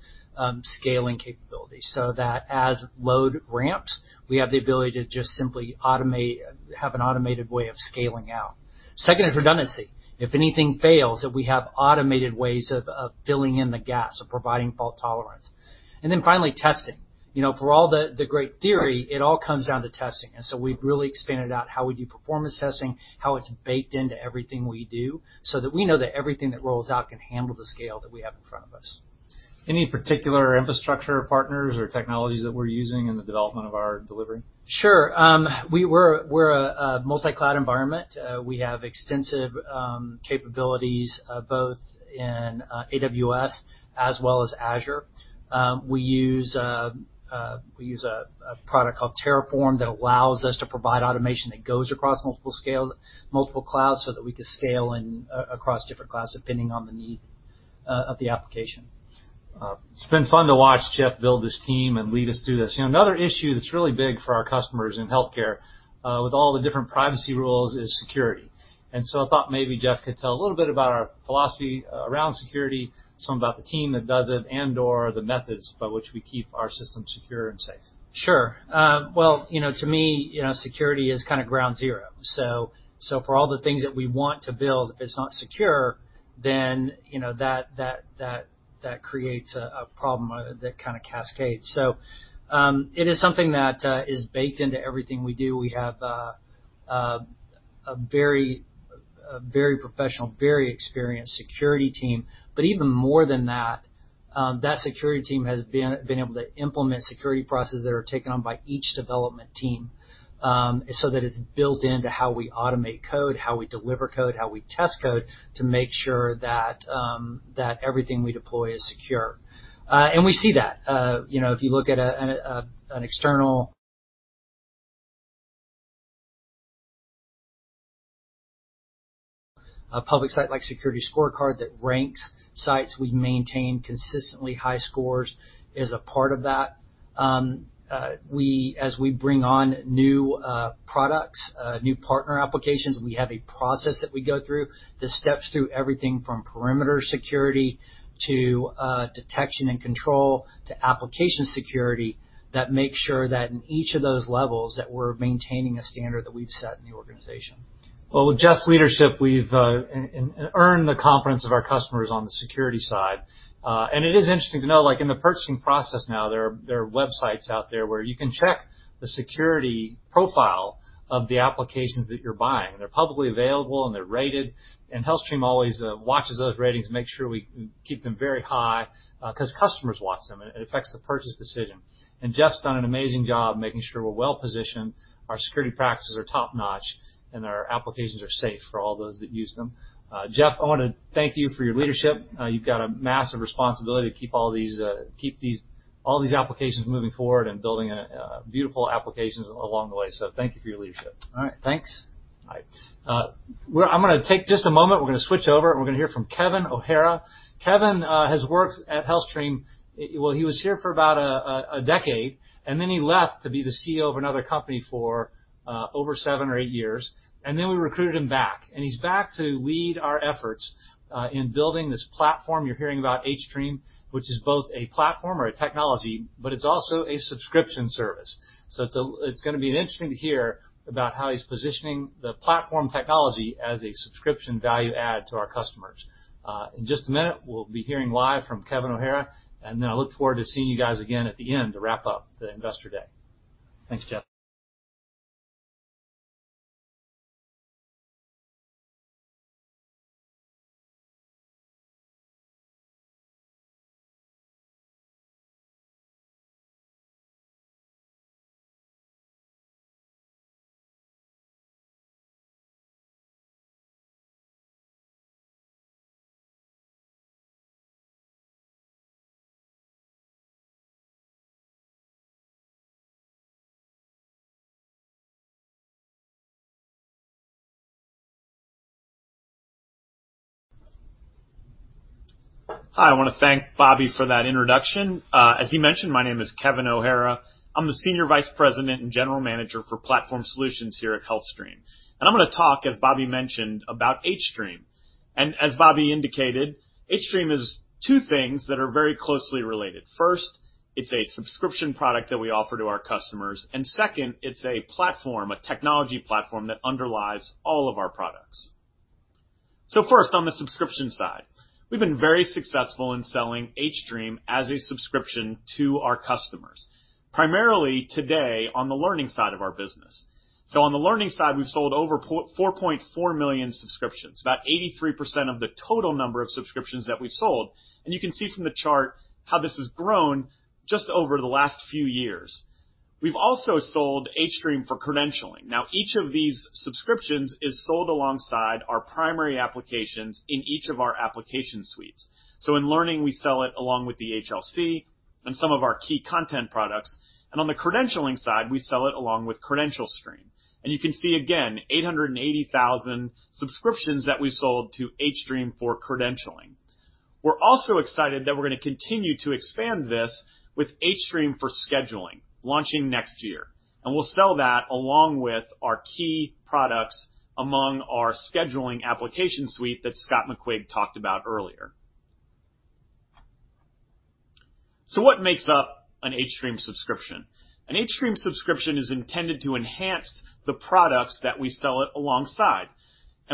G: scaling capabilities so that as load ramps, we have the ability to just simply have an automated way of scaling out. Second is redundancy. If anything fails, that we have automated ways of filling in the gaps or providing fault tolerance. Finally, testing. You know, for all the great theory, it all comes down to testing. We've really expanded out how we do performance testing, how it's baked into everything we do, so that we know that everything that rolls out can handle the scale that we have in front of us.
B: Any particular infrastructure partners or technologies that we're using in the development of our delivery?
G: Sure. We're a multi-cloud environment. We have extensive capabilities both in AWS as well as Azure. We use a product called Terraform that allows us to provide automation that goes across multiple clouds so that we can scale across different clouds depending on the need of the application.
B: It's been fun to watch Jeff build this team and lead us through this. You know, another issue that's really big for our customers in healthcare, with all the different privacy rules is security. I thought maybe Jeff could tell a little bit about our philosophy around security, something about the team that does it, and/or the methods by which we keep our system secure and safe.
G: Sure. Well, you know to me, you know, security is kinda ground zero. For all the things that we want to build, if it's not secure, then you know, that creates a problem that kinda cascades. It is something that is baked into everything we do. We have a very professional, very experienced security team. But even more than that security team has been able to implement security processes that are taken on by each development team, so that it's built into how we automate code, how we deliver code, how we test code to make sure that everything we deploy is secure. We see that. You know, if you look at an external public site like SecurityScorecard that ranks sites, we maintain consistently high scores as a part of that. As we bring on new products, new partner applications, we have a process that we go through that steps through everything from perimeter security to detection and control to application security that makes sure that in each of those levels that we're maintaining a standard that we've set in the organization.
B: Well, with Jeff's leadership, we've earned the confidence of our customers on the security side. It is interesting to know, like in the purchasing process now, there are websites out there where you can check the security profile of the applications that you're buying. They're publicly available, and they're rated, and HealthStream always watches those ratings to make sure we keep them very high, 'cause customers watch them, and it affects the purchase decision. Jeff's done an amazing job making sure we're well positioned, our security practices are top-notch, and our applications are safe for all those that use them. Jeff, I wanna thank you for your leadership. You've got a massive responsibility to keep all these applications moving forward and building beautiful applications along the way. Thank you for your leadership.
G: All right. Thanks.
B: All right. Well, I'm gonna take just a moment. We're gonna switch over, and we're gonna hear from Kevin O'Hara. Kevin has worked at HealthStream. He was here for about a decade, and then he left to be the CEO of another company for over seven or eight years. We recruited him back. He's back to lead our efforts in building this platform you're hearing about, hStream, which is both a platform or a technology, but it's also a subscription service. It's gonna be interesting to hear about how he's positioning the platform technology as a subscription value add to our customers. In just a minute, we'll be hearing live from Kevin O'Hara, and then I look forward to seeing you guys again at the end to wrap up the investor day. Thanks, Jeff.
H: Hi. I wanna thank Bobby for that introduction. As he mentioned, my name is Kevin O'Hara. I'm the Senior Vice President and General Manager for Platform Solutions here at HealthStream. I'm gonna talk, as Bobby mentioned, about hStream. As Bobby indicated, hStream is two things that are very closely related. First, it's a subscription product that we offer to our customers, and second, it's a platform, a technology platform that underlies all of our products. First, on the subscription side. We've been very successful in selling hStream as a subscription to our customers, primarily today on the learning side of our business. On the learning side, we've sold over 4.4 million subscriptions, about 83% of the total number of subscriptions that we've sold. You can see from the chart how this has grown just over the last few years. We've also sold hStream for credentialing. Now, each of these subscriptions is sold alongside our primary applications in each of our application suites. In learning, we sell it along with the HLC and some of our key content products. On the credentialing side, we sell it along with CredentialStream. You can see, again, 880,000 subscriptions that we sold to hStream for credentialing. We're also excited that we're gonna continue to expand this with hStream for scheduling, launching next year. We'll sell that along with our key products among our scheduling application suite that Scott McQuigg talked about earlier. What makes up an hStream subscription? An hStream subscription is intended to enhance the products that we sell it alongside.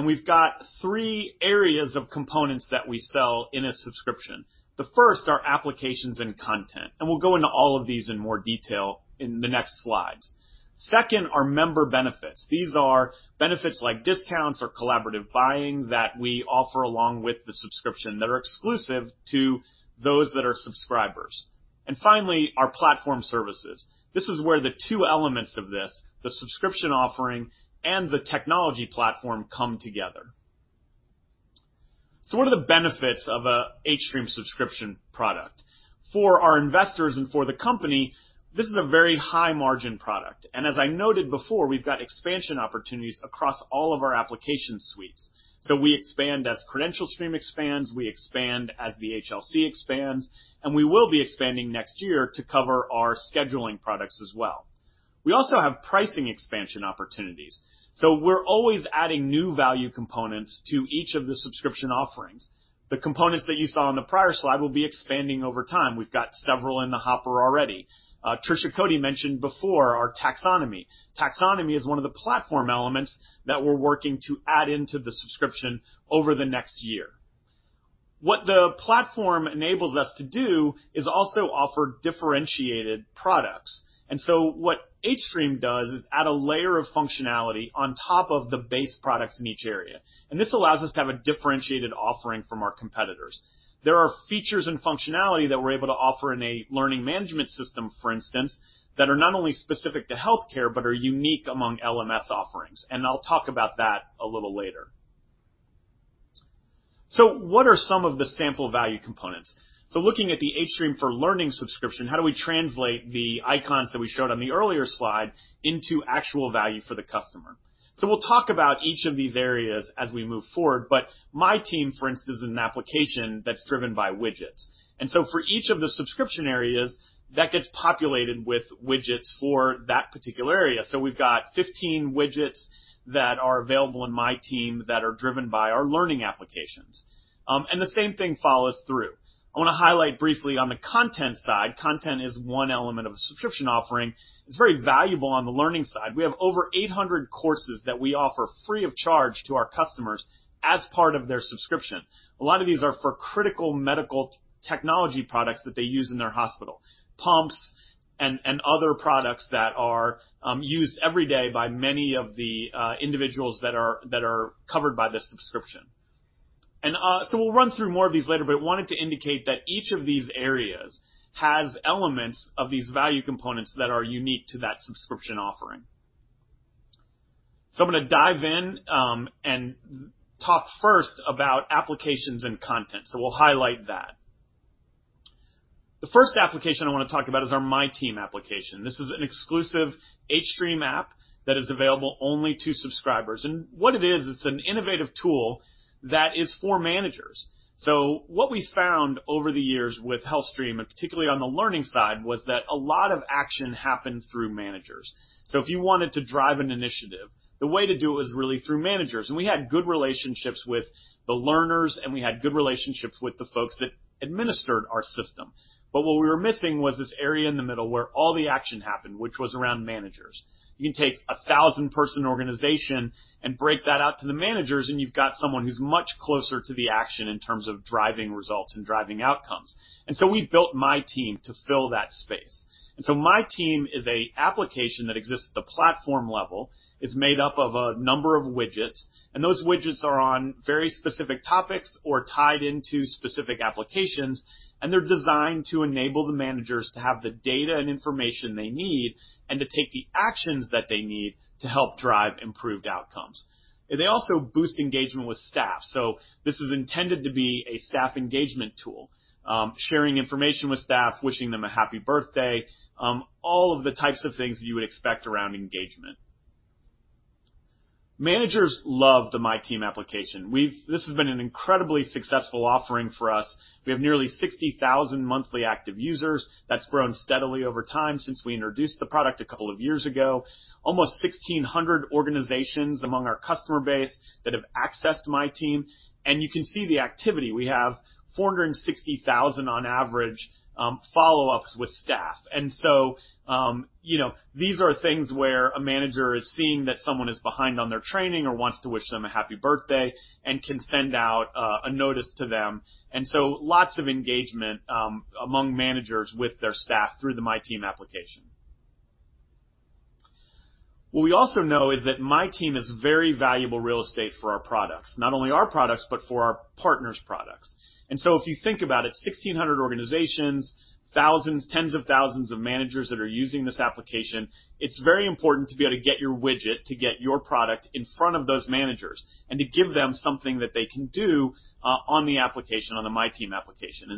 H: We've got three areas of components that we sell in a subscription. The first are applications and content, and we'll go into all of these in more detail in the next slides. Second are member benefits. These are benefits like discounts or collaborative buying that we offer along with the subscription that are exclusive to those that are subscribers. Finally, our platform services. This is where the two elements of this, the subscription offering and the technology platform, come together. What are the benefits of a hStream subscription product? For our investors and for the company, this is a very high-margin product. As I noted before, we've got expansion opportunities across all of our application suites. We expand as CredentialStream expands, we expand as the HLC expands, and we will be expanding next year to cover our scheduling products as well. We also have pricing expansion opportunities. We're always adding new value components to each of the subscription offerings. The components that you saw on the prior slide will be expanding over time. We've got several in the hopper already. Trisha Coady mentioned before our taxonomy. Taxonomy is one of the platform elements that we're working to add into the subscription over the next year. What the platform enables us to do is also offer differentiated products. What hStream does is add a layer of functionality on top of the base products in each area. This allows us to have a differentiated offering from our competitors. There are features and functionality that we're able to offer in a learning management system, for instance, that are not only specific to healthcare, but are unique among LMS offerings. I'll talk about that a little later. What are some of the sample value components? Looking at the hStream for learning subscription, how do we translate the icons that we showed on the earlier slide into actual value for the customer? We'll talk about each of these areas as we move forward, but my team, for instance, is an application that's driven by widgets. For each of the subscription areas, that gets populated with widgets for that particular area. We've got 15 widgets that are available in my team that are driven by our learning applications. And the same thing follows through. I wanna highlight briefly on the content side, content is one element of a subscription offering. It's very valuable on the learning side. We have over 800 courses that we offer free of charge to our customers as part of their subscription. A lot of these are for critical medical technology products that they use in their hospital, pumps and other products that are used every day by many of the individuals that are covered by this subscription. We'll run through more of these later, but I wanted to indicate that each of these areas has elements of these value components that are unique to that subscription offering. I'm gonna dive in and talk first about applications and content. We'll highlight that. The first application I wanna talk about is our MyTeam application. This is an exclusive hStream app that is available only to subscribers. What it is, it's an innovative tool that is for managers. What we found over the years with HealthStream, and particularly on the learning side, was that a lot of action happened through managers. If you wanted to drive an initiative, the way to do it was really through managers. We had good relationships with the learners, and we had good relationships with the folks that administered our system. What we were missing was this area in the middle where all the action happened, which was around managers. You can take a 1,000-person organization and break that out to the managers, and you've got someone who's much closer to the action in terms of driving results and driving outcomes. We built MyTeam to fill that space. MyTeam is a application that exists at the platform level. It's made up of a number of widgets, and those widgets are on very specific topics or tied into specific applications, and they're designed to enable the managers to have the data and information they need and to take the actions that they need to help drive improved outcomes. They also boost engagement with staff. This is intended to be a staff engagement tool, sharing information with staff, wishing them a happy birthday, all of the types of things you would expect around engagement. Managers love the MyTeam application. This has been an incredibly successful offering for us. We have nearly 60,000 monthly active users. That's grown steadily over time since we introduced the product a couple of years ago. Almost 1,600 organizations among our customer base that have accessed MyTeam, and you can see the activity. We have 460,000 on average follow-ups with staff. You know, these are things where a manager is seeing that someone is behind on their training or wants to wish them a happy birthday and can send out a notice to them. Lots of engagement among managers with their staff through the MyTeam application. What we also know is that MyTeam is very valuable real estate for our products, not only our products, but for our partners' products. If you think about it, 1,600 organizations, thousands, tens of thousands of managers that are using this application, it's very important to be able to get your widget, to get your product in front of those managers and to give them something that they can do on the application, on the MyTeam application.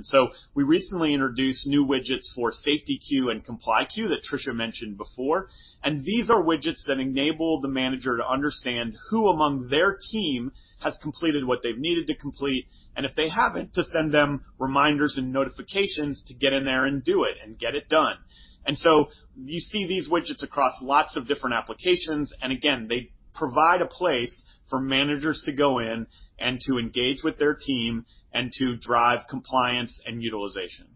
H: We recently introduced new widgets for SafetyQ and ComplyQ that Trisha mentioned before. These are widgets that enable the manager to understand who among their team has completed what they've needed to complete, and if they haven't, to send them reminders and notifications to get in there and do it and get it done. You see these widgets across lots of different applications, and again, they provide a place for managers to go in and to engage with their team and to drive compliance and utilization.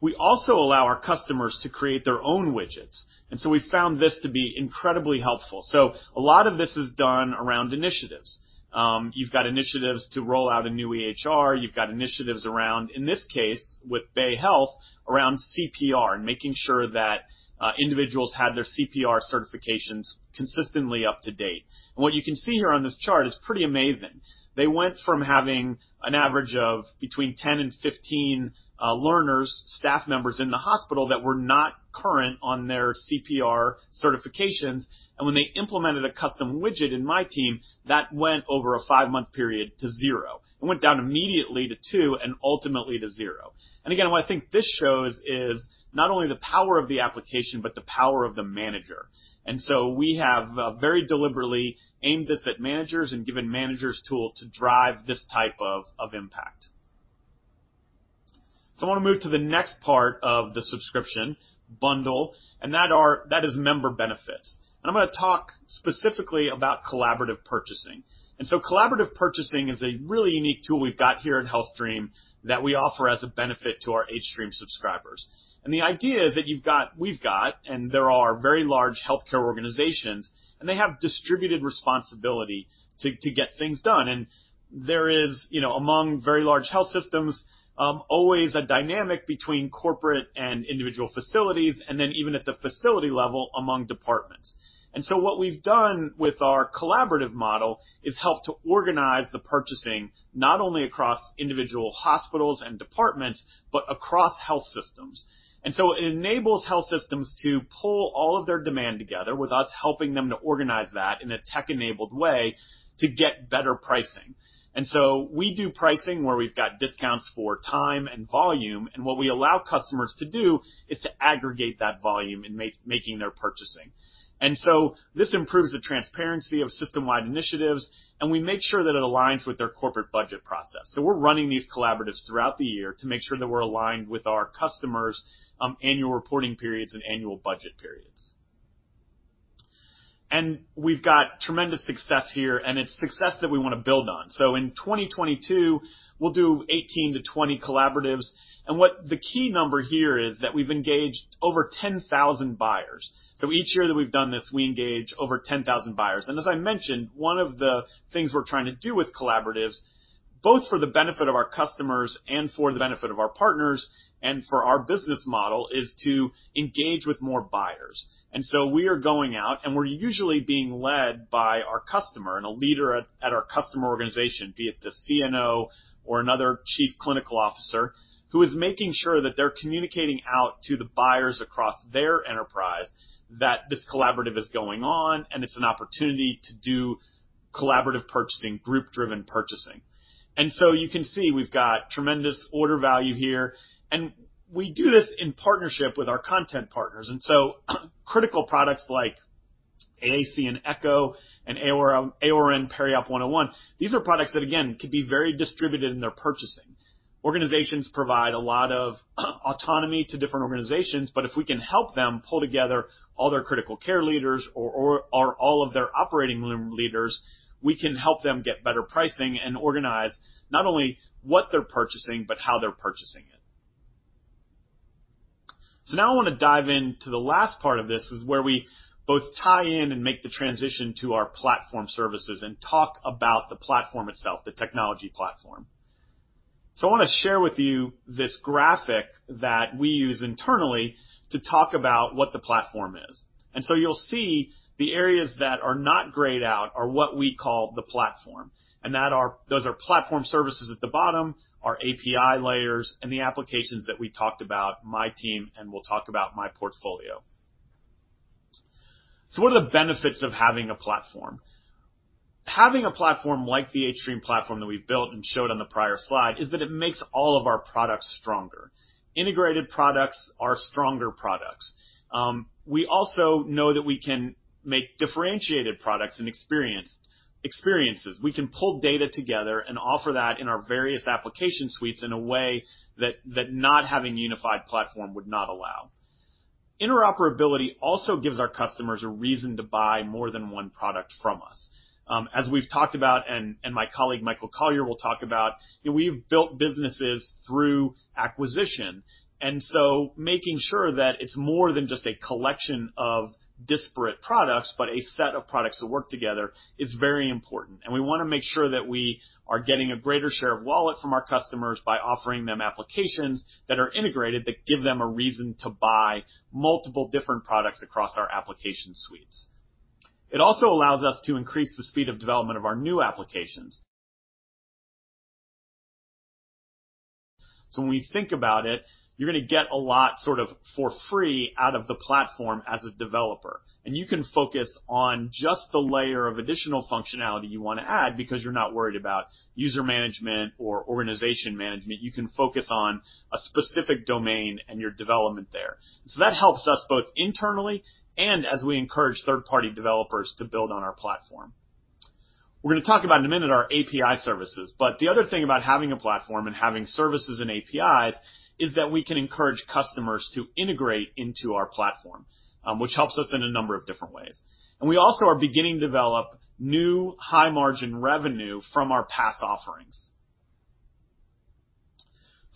H: We also allow our customers to create their own widgets, and so we found this to be incredibly helpful. A lot of this is done around initiatives. You've got initiatives to roll out a new EHR. You've got initiatives around, in this case, with Bayhealth, around CPR and making sure that individuals had their CPR certifications consistently up to date. What you can see here on this chart is pretty amazing. They went from having an average of between 10 and 15 learners, staff members in the hospital that were not current on their CPR certifications, and when they implemented a custom widget in MyTeam, that went over a five-month period to zero. It went down immediately to two and ultimately to zero. What I think this shows is not only the power of the application but the power of the manager. We have very deliberately aimed this at managers and given managers tool to drive this type of impact. I wanna move to the next part of the subscription bundle, and that is member benefits. I'm gonna talk specifically about collaborative purchasing. Collaborative purchasing is a really unique tool we've got here at HealthStream that we offer as a benefit to our hStream subscribers. The idea is that we've got, and there are very large healthcare organizations, and they have distributed responsibility to get things done. There is, you know, among very large health systems, always a dynamic between corporate and individual facilities, and then even at the facility level among departments. What we've done with our collaborative model is help to organize the purchasing not only across individual hospitals and departments, but across health systems. It enables health systems to pull all of their demand together with us helping them to organize that in a tech-enabled way to get better pricing. We do pricing where we've got discounts for time and volume, and what we allow customers to do is to aggregate that volume in making their purchasing. This improves the transparency of system-wide initiatives, and we make sure that it aligns with their corporate budget process. We're running these collaboratives throughout the year to make sure that we're aligned with our customers' annual reporting periods and annual budget periods. We've got tremendous success here, and it's success that we wanna build on. In 2022, we'll do 18-20 collaboratives, and what the key number here is that we've engaged over 10,000 buyers. Each year that we've done this, we engage over 10,000 buyers. As I mentioned, one of the things we're trying to do with collaboratives, both for the benefit of our customers and for the benefit of our partners and for our business model, is to engage with more buyers. We are going out, and we're usually being led by our customer and a leader at our customer organization, be it the CNO or another chief clinical officer, who is making sure that they're communicating out to the buyers across their enterprise that this collaborative is going on, and it's an opportunity to do collaborative purchasing, group-driven purchasing. You can see we've got tremendous order value here. We do this in partnership with our content partners. Critical products like AAC and Echo and AORN Periop 101, these are products that, again, could be very distributed in their purchasing. Organizations provide a lot of autonomy to different organizations, but if we can help them pull together all their critical care leaders or all of their operating room leaders, we can help them get better pricing and organize not only what they're purchasing, but how they're purchasing it. Now I wanna dive into the last part of this, is where we both tie in and make the transition to our platform services and talk about the platform itself, the technology platform. I wanna share with you this graphic that we use internally to talk about what the platform is. You'll see the areas that are not grayed out are what we call the platform. Those are platform services at the bottom, our API layers, and the applications that we talked about, my team, and we'll talk about my portfolio. What are the benefits of having a platform? Having a platform like the hStream platform that we've built and showed on the prior slide is that it makes all of our products stronger. Integrated products are stronger products. We also know that we can make differentiated products and experiences. We can pull data together and offer that in our various application suites in a way that not having unified platform would not allow. Interoperability also gives our customers a reason to buy more than one product from us. As we've talked about, and my colleague Michael Collier will talk about, we've built businesses through acquisition. Making sure that it's more than just a collection of disparate products, but a set of products that work together is very important. We wanna make sure that we are getting a greater share of wallet from our customers by offering them applications that are integrated that give them a reason to buy multiple different products across our application suites. It also allows us to increase the speed of development of our new applications. When we think about it, you're gonna get a lot sort of for free out of the platform as a developer, and you can focus on just the layer of additional functionality you wanna add because you're not worried about user management or organization management. You can focus on a specific domain and your development there. That helps us both internally and as we encourage third-party developers to build on our platform. We're gonna talk about in a minute our API services, but the other thing about having a platform and having services and APIs is that we can encourage customers to integrate into our platform, which helps us in a number of different ways. We also are beginning to develop new high-margin revenue from our PAS offerings.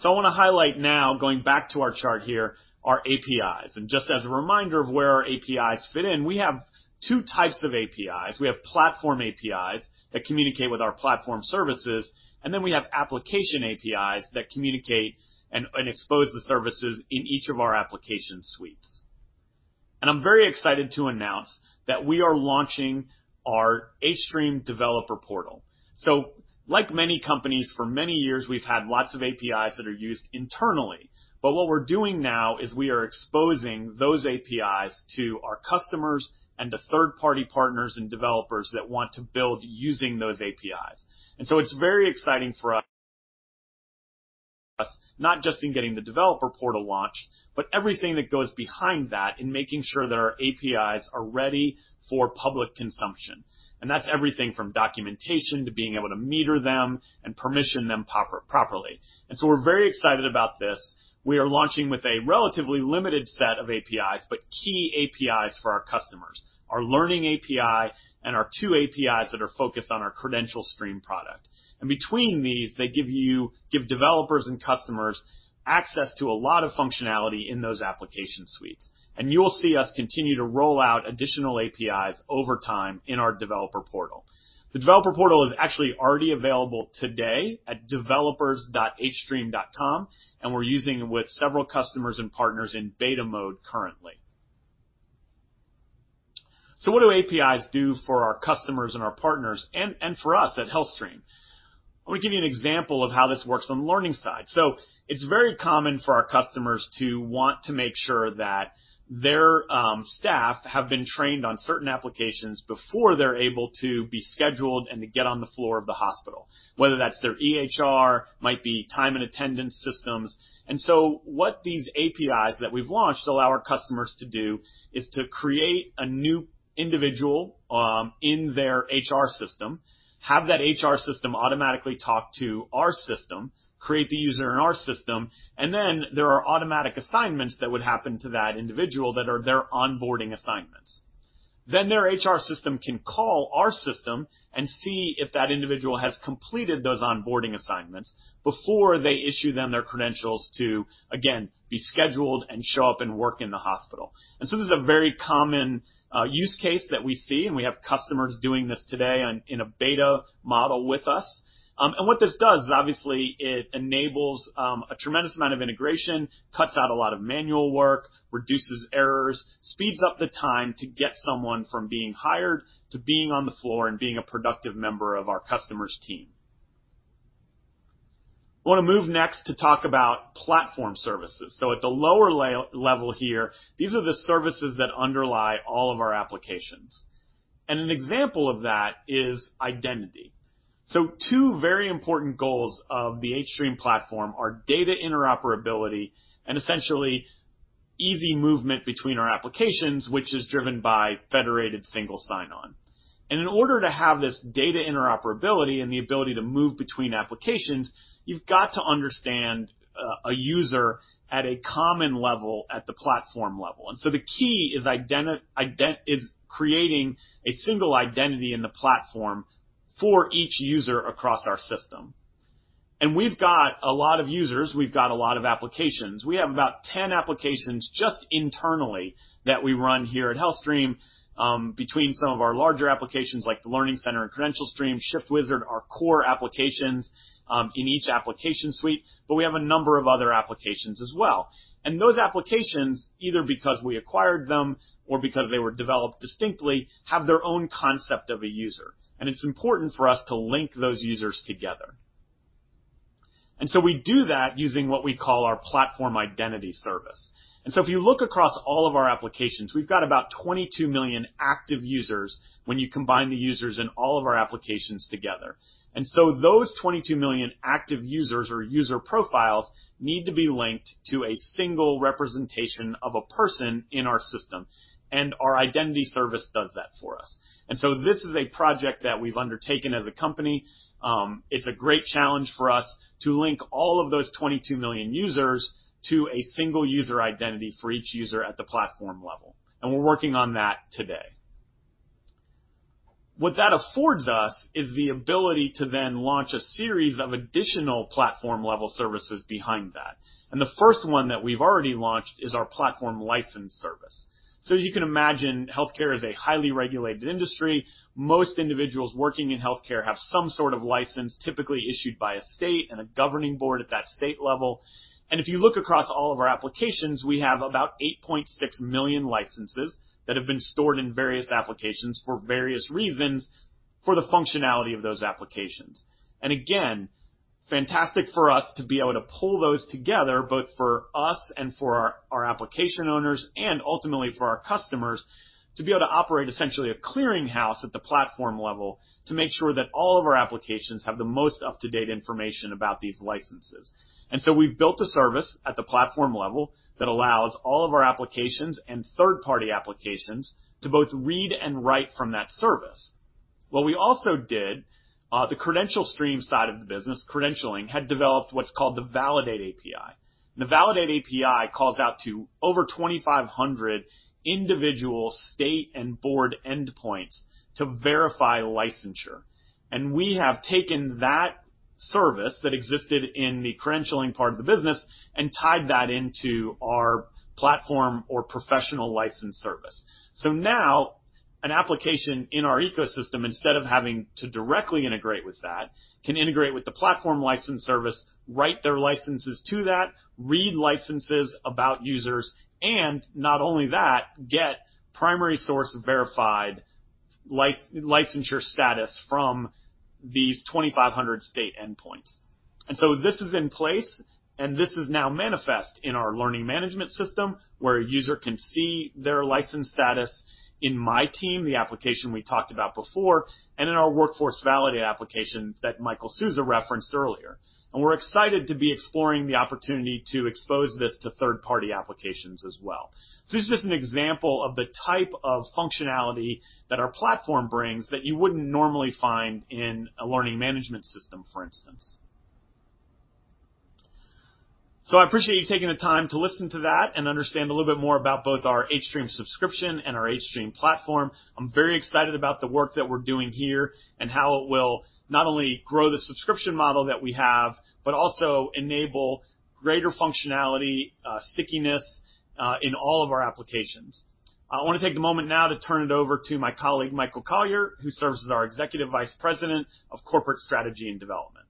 H: I wanna highlight now, going back to our chart here, our APIs. Just as a reminder of where our APIs fit in, we have two types of APIs. We have platform APIs that communicate with our platform services, and then we have application APIs that communicate and expose the services in each of our application suites. I'm very excited to announce that we are launching our hStream developer portal. Like many companies, for many years, we've had lots of APIs that are used internally. What we're doing now is we are exposing those APIs to our customers and to third-party partners and developers that want to build using those APIs. It's very exciting for us, not just in getting the developer portal launched, but everything that goes behind that in making sure that our APIs are ready for public consumption. That's everything from documentation to being able to meter them and permission them properly. We're very excited about this. We are launching with a relatively limited set of APIs, but key APIs for our customers. Our learning API and our two APIs that are focused on our CredentialStream product. Between these, they give developers and customers access to a lot of functionality in those application suites. You'll see us continue to roll out additional APIs over time in our developer portal. The developer portal is actually already available today at developers.hstream.com, and we're using it with several customers and partners in beta mode currently. What do APIs do for our customers and our partners and for us at HealthStream? Let me give you an example of how this works on the learning side. It's very common for our customers to want to make sure that their staff have been trained on certain applications before they're able to be scheduled and to get on the floor of the hospital, whether that's their EHR, might be time and attendance systems. What these APIs that we've launched allow our customers to do is to create a new individual in their HR system, have that HR system automatically talk to our system, create the user in our system, and then there are automatic assignments that would happen to that individual that are their onboarding assignments. Their HR system can call our system and see if that individual has completed those onboarding assignments before they issue them their credentials to, again, be scheduled and show up and work in the hospital. This is a very common use case that we see, and we have customers doing this today in a beta model with us. What this does is obviously it enables a tremendous amount of integration, cuts out a lot of manual work, reduces errors, speeds up the time to get someone from being hired to being on the floor and being a productive member of our customers' team. I want to move next to talk about platform services. At the lower low-level here, these are the services that underlie all of our applications. An example of that is identity. Two very important goals of the hStream platform are data interoperability and essentially easy movement between our applications, which is driven by federated single sign-on. In order to have this data interoperability and the ability to move between applications, you've got to understand a user at a common level, at the platform level. The key is creating a single identity in the platform for each user across our system. We've got a lot of users, we've got a lot of applications. We have about 10 applications just internally that we run here at HealthStream, between some of our larger applications like the Learning Center and CredentialStream, ShiftWizard, our core applications, in each application suite, but we have a number of other applications as well. Those applications, either because we acquired them or because they were developed distinctly, have their own concept of a user, and it's important for us to link those users together. We do that using what we call our platform identity service. If you look across all of our applications, we've got about 22 million active users when you combine the users in all of our applications together. Those 22 million active users or user profiles need to be linked to a single representation of a person in our system, and our identity service does that for us. This is a project that we've undertaken as a company. It's a great challenge for us to link all of those 22 million users to a single user identity for each user at the platform level. We're working on that today. What that affords us is the ability to then launch a series of additional platform-level services behind that. The first one that we've already launched is our platform license service. As you can imagine, healthcare is a highly regulated industry. Most individuals working in healthcare have some sort of license, typically issued by a state and a governing board at that state level. If you look across all of our applications, we have about 8.6 million licenses that have been stored in various applications for various reasons for the functionality of those applications. Again, fantastic for us to be able to pull those together, both for us and for our application owners and ultimately for our customers, to be able to operate essentially a clearing house at the platform level to make sure that all of our applications have the most up-to-date information about these licenses. We've built a service at the platform level that allows all of our applications and third-party applications to both read and write from that service. What we also did, the CredentialStream side of the business, credentialing, had developed what's called the Validate API. The Validate API calls out to over 2,500 individual state and board endpoints to verify licensure. We have taken that service that existed in the credentialing part of the business and tied that into our platform or professional license service. Now an application in our ecosystem, instead of having to directly integrate with that, can integrate with the platform license service, write their licenses to that, read licenses about users, and not only that, get primary source verified licensure status from these 2,500 state endpoints. This is in place, and this is now manifest in our learning management system, where a user can see their license status in my team, the application we talked about before, and in our Workforce Validate application that Michael Sousa referenced earlier. We're excited to be exploring the opportunity to expose this to third-party applications as well. This is just an example of the type of functionality that our platform brings that you wouldn't normally find in a learning management system, for instance. I appreciate you taking the time to listen to that and understand a little bit more about both our hStream subscription and our hStream platform. I'm very excited about the work that we're doing here and how it will not only grow the subscription model that we have, but also enable greater functionality, stickiness, in all of our applications. I wanna take a moment now to turn it over to my colleague, Michael Collier, who serves as our Executive Vice President of Corporate Strategy and Development.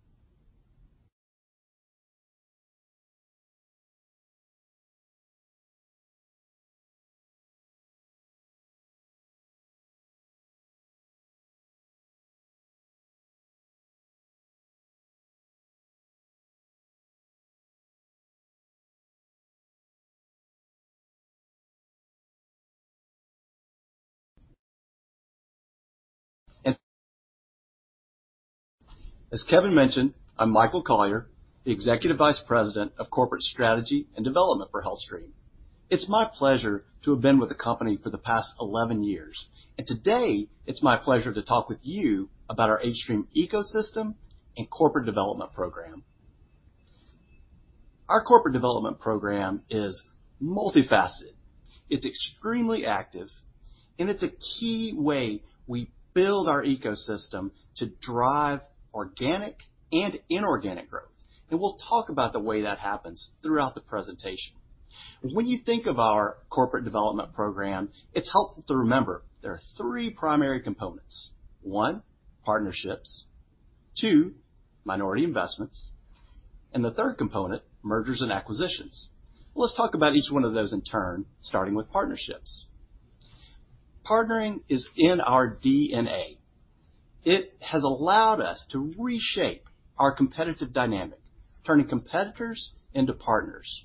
I: As Kevin mentioned, I'm Michael Collier, Executive Vice President of Corporate Strategy and Development for HealthStream. It's my pleasure to have been with the company for the past 11 years. Today, it's my pleasure to talk with you about our hStream ecosystem and corporate development program. Our corporate development program is multifaceted, it's extremely active, and it's a key way we build our ecosystem to drive organic and inorganic growth. We'll talk about the way that happens throughout the presentation. When you think of our corporate development program, it's helpful to remember there are three primary components. One, partnerships. Two, minority investments. The third component, mergers and acquisitions. Let's talk about each one of those in turn, starting with partnerships. Partnering is in our DNA. It has allowed us to reshape our competitive dynamic, turning competitors into partners.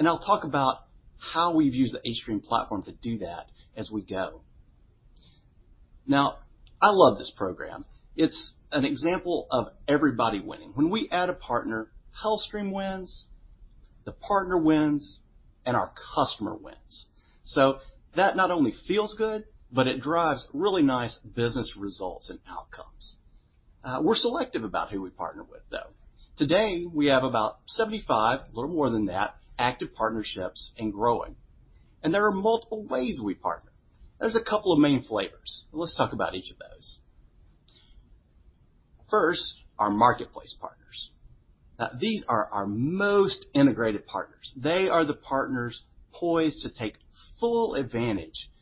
I: I'll talk about how we've used the hStream platform to do that as we go. Now, I love this program. It's an example of everybody winning. When we add a partner, HealthStream wins, the partner wins, and our customer wins. That not only feels good, but it drives really nice business results and outcomes. We're selective about who we partner with, though. Today, we have about 75, a little more than that, active partnerships and growing. There are multiple ways we partner. There's a couple of main flavors. Let's talk about each of those. First, our marketplace partners. Now, these are our most integrated partners. They are the partners poised to take full advantage of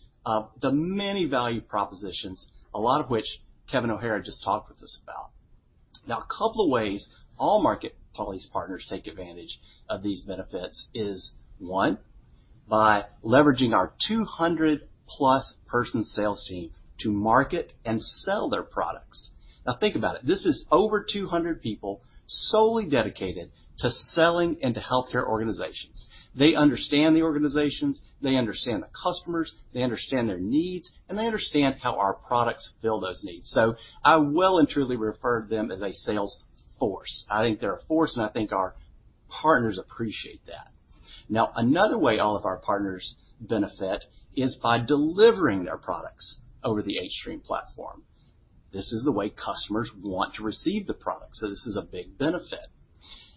I: the many value propositions, a lot of which Kevin O'Hara just talked with us about. Now, a couple of ways all marketplace partners take advantage of these benefits is, one, by leveraging our 200+ person sales team to market and sell their products. Now, think about it. This is over 200 people solely dedicated to selling into healthcare organizations. They understand the organizations, they understand the customers, they understand their needs, and they understand how our products fill those needs. I well and truly refer to them as a sales force. I think they're a force, and I think our partners appreciate that. Now, another way all of our partners benefit is by delivering their products over the hStream platform. This is the way customers want to receive the product, so this is a big benefit.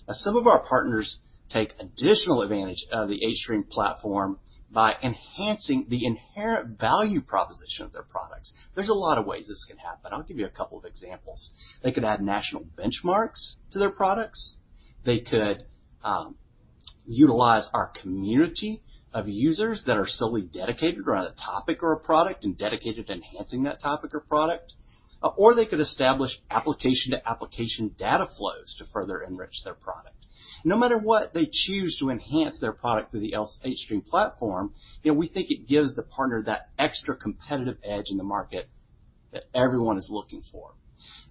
I: Now, some of our partners take additional advantage of the hStream platform by enhancing the inherent value proposition of their products. There's a lot of ways this can happen. I'll give you a couple of examples. They could add national benchmarks to their products. They could utilize our community of users that are solely dedicated around a topic or a product and dedicated to enhancing that topic or product. Or they could establish application-to-application data flows to further enrich their product. No matter what they choose to enhance their product through the hStream platform, you know, we think it gives the partner that extra competitive edge in the market that everyone is looking for.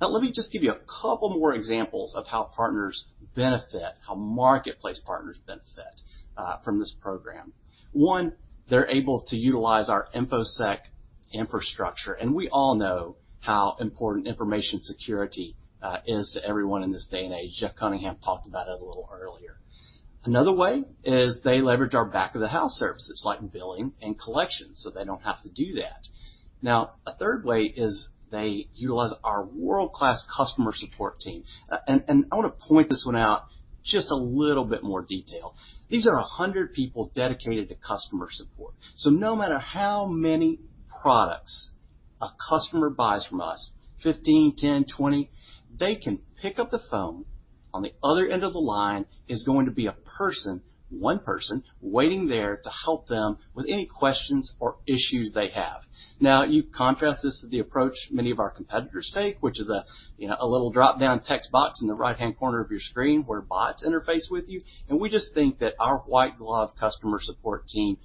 I: Now, let me just give you a couple more examples of how partners benefit, how marketplace partners benefit from this program. One, they're able to utilize our infosec infrastructure, and we all know how important information security is to everyone in this day and age. Jeff Cunningham talked about it a little earlier. Another way is they leverage our back-of-the-house services like billing and collection, so they don't have to do that. Now, a third way is they utilize our world-class customer support team. I want to point this one out just a little bit more detail. These are 100 people dedicated to customer support. So no matter how many products a customer buys from us, 15, 10, 20, they can pick up the phone. On the other end of the line is going to be a person, one person, waiting there to help them with any questions or issues they have. Now, you contrast this to the approach many of our competitors take, which is, you know, a little dropdown text box in the right-hand corner of your screen where bots interface with you. We just think that our white glove customer support team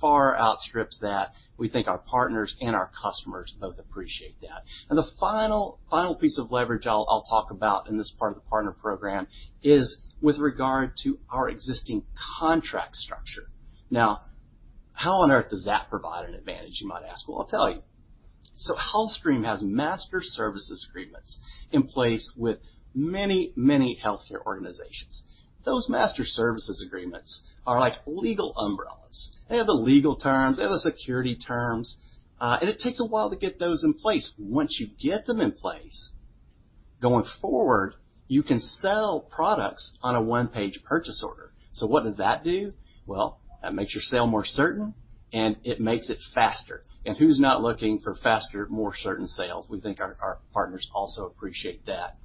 I: far outstrips that. We think our partners and our customers both appreciate that. The final piece of leverage I'll talk about in this part of the partner program is with regard to our existing contract structure. Now, how on earth does that provide an advantage, you might ask? Well, I'll tell you. HealthStream has master services agreements in place with many, many healthcare organizations. Those master services agreements are like legal umbrellas. They have the legal terms, they have the security terms, and it takes a while to get those in place. Once you get them in place, going forward, you can sell products on a one-page purchase order. What does that do? Well, that makes your sale more certain, and it makes it faster. Who's not looking for faster, more certain sales? We think our partners also appreciate that.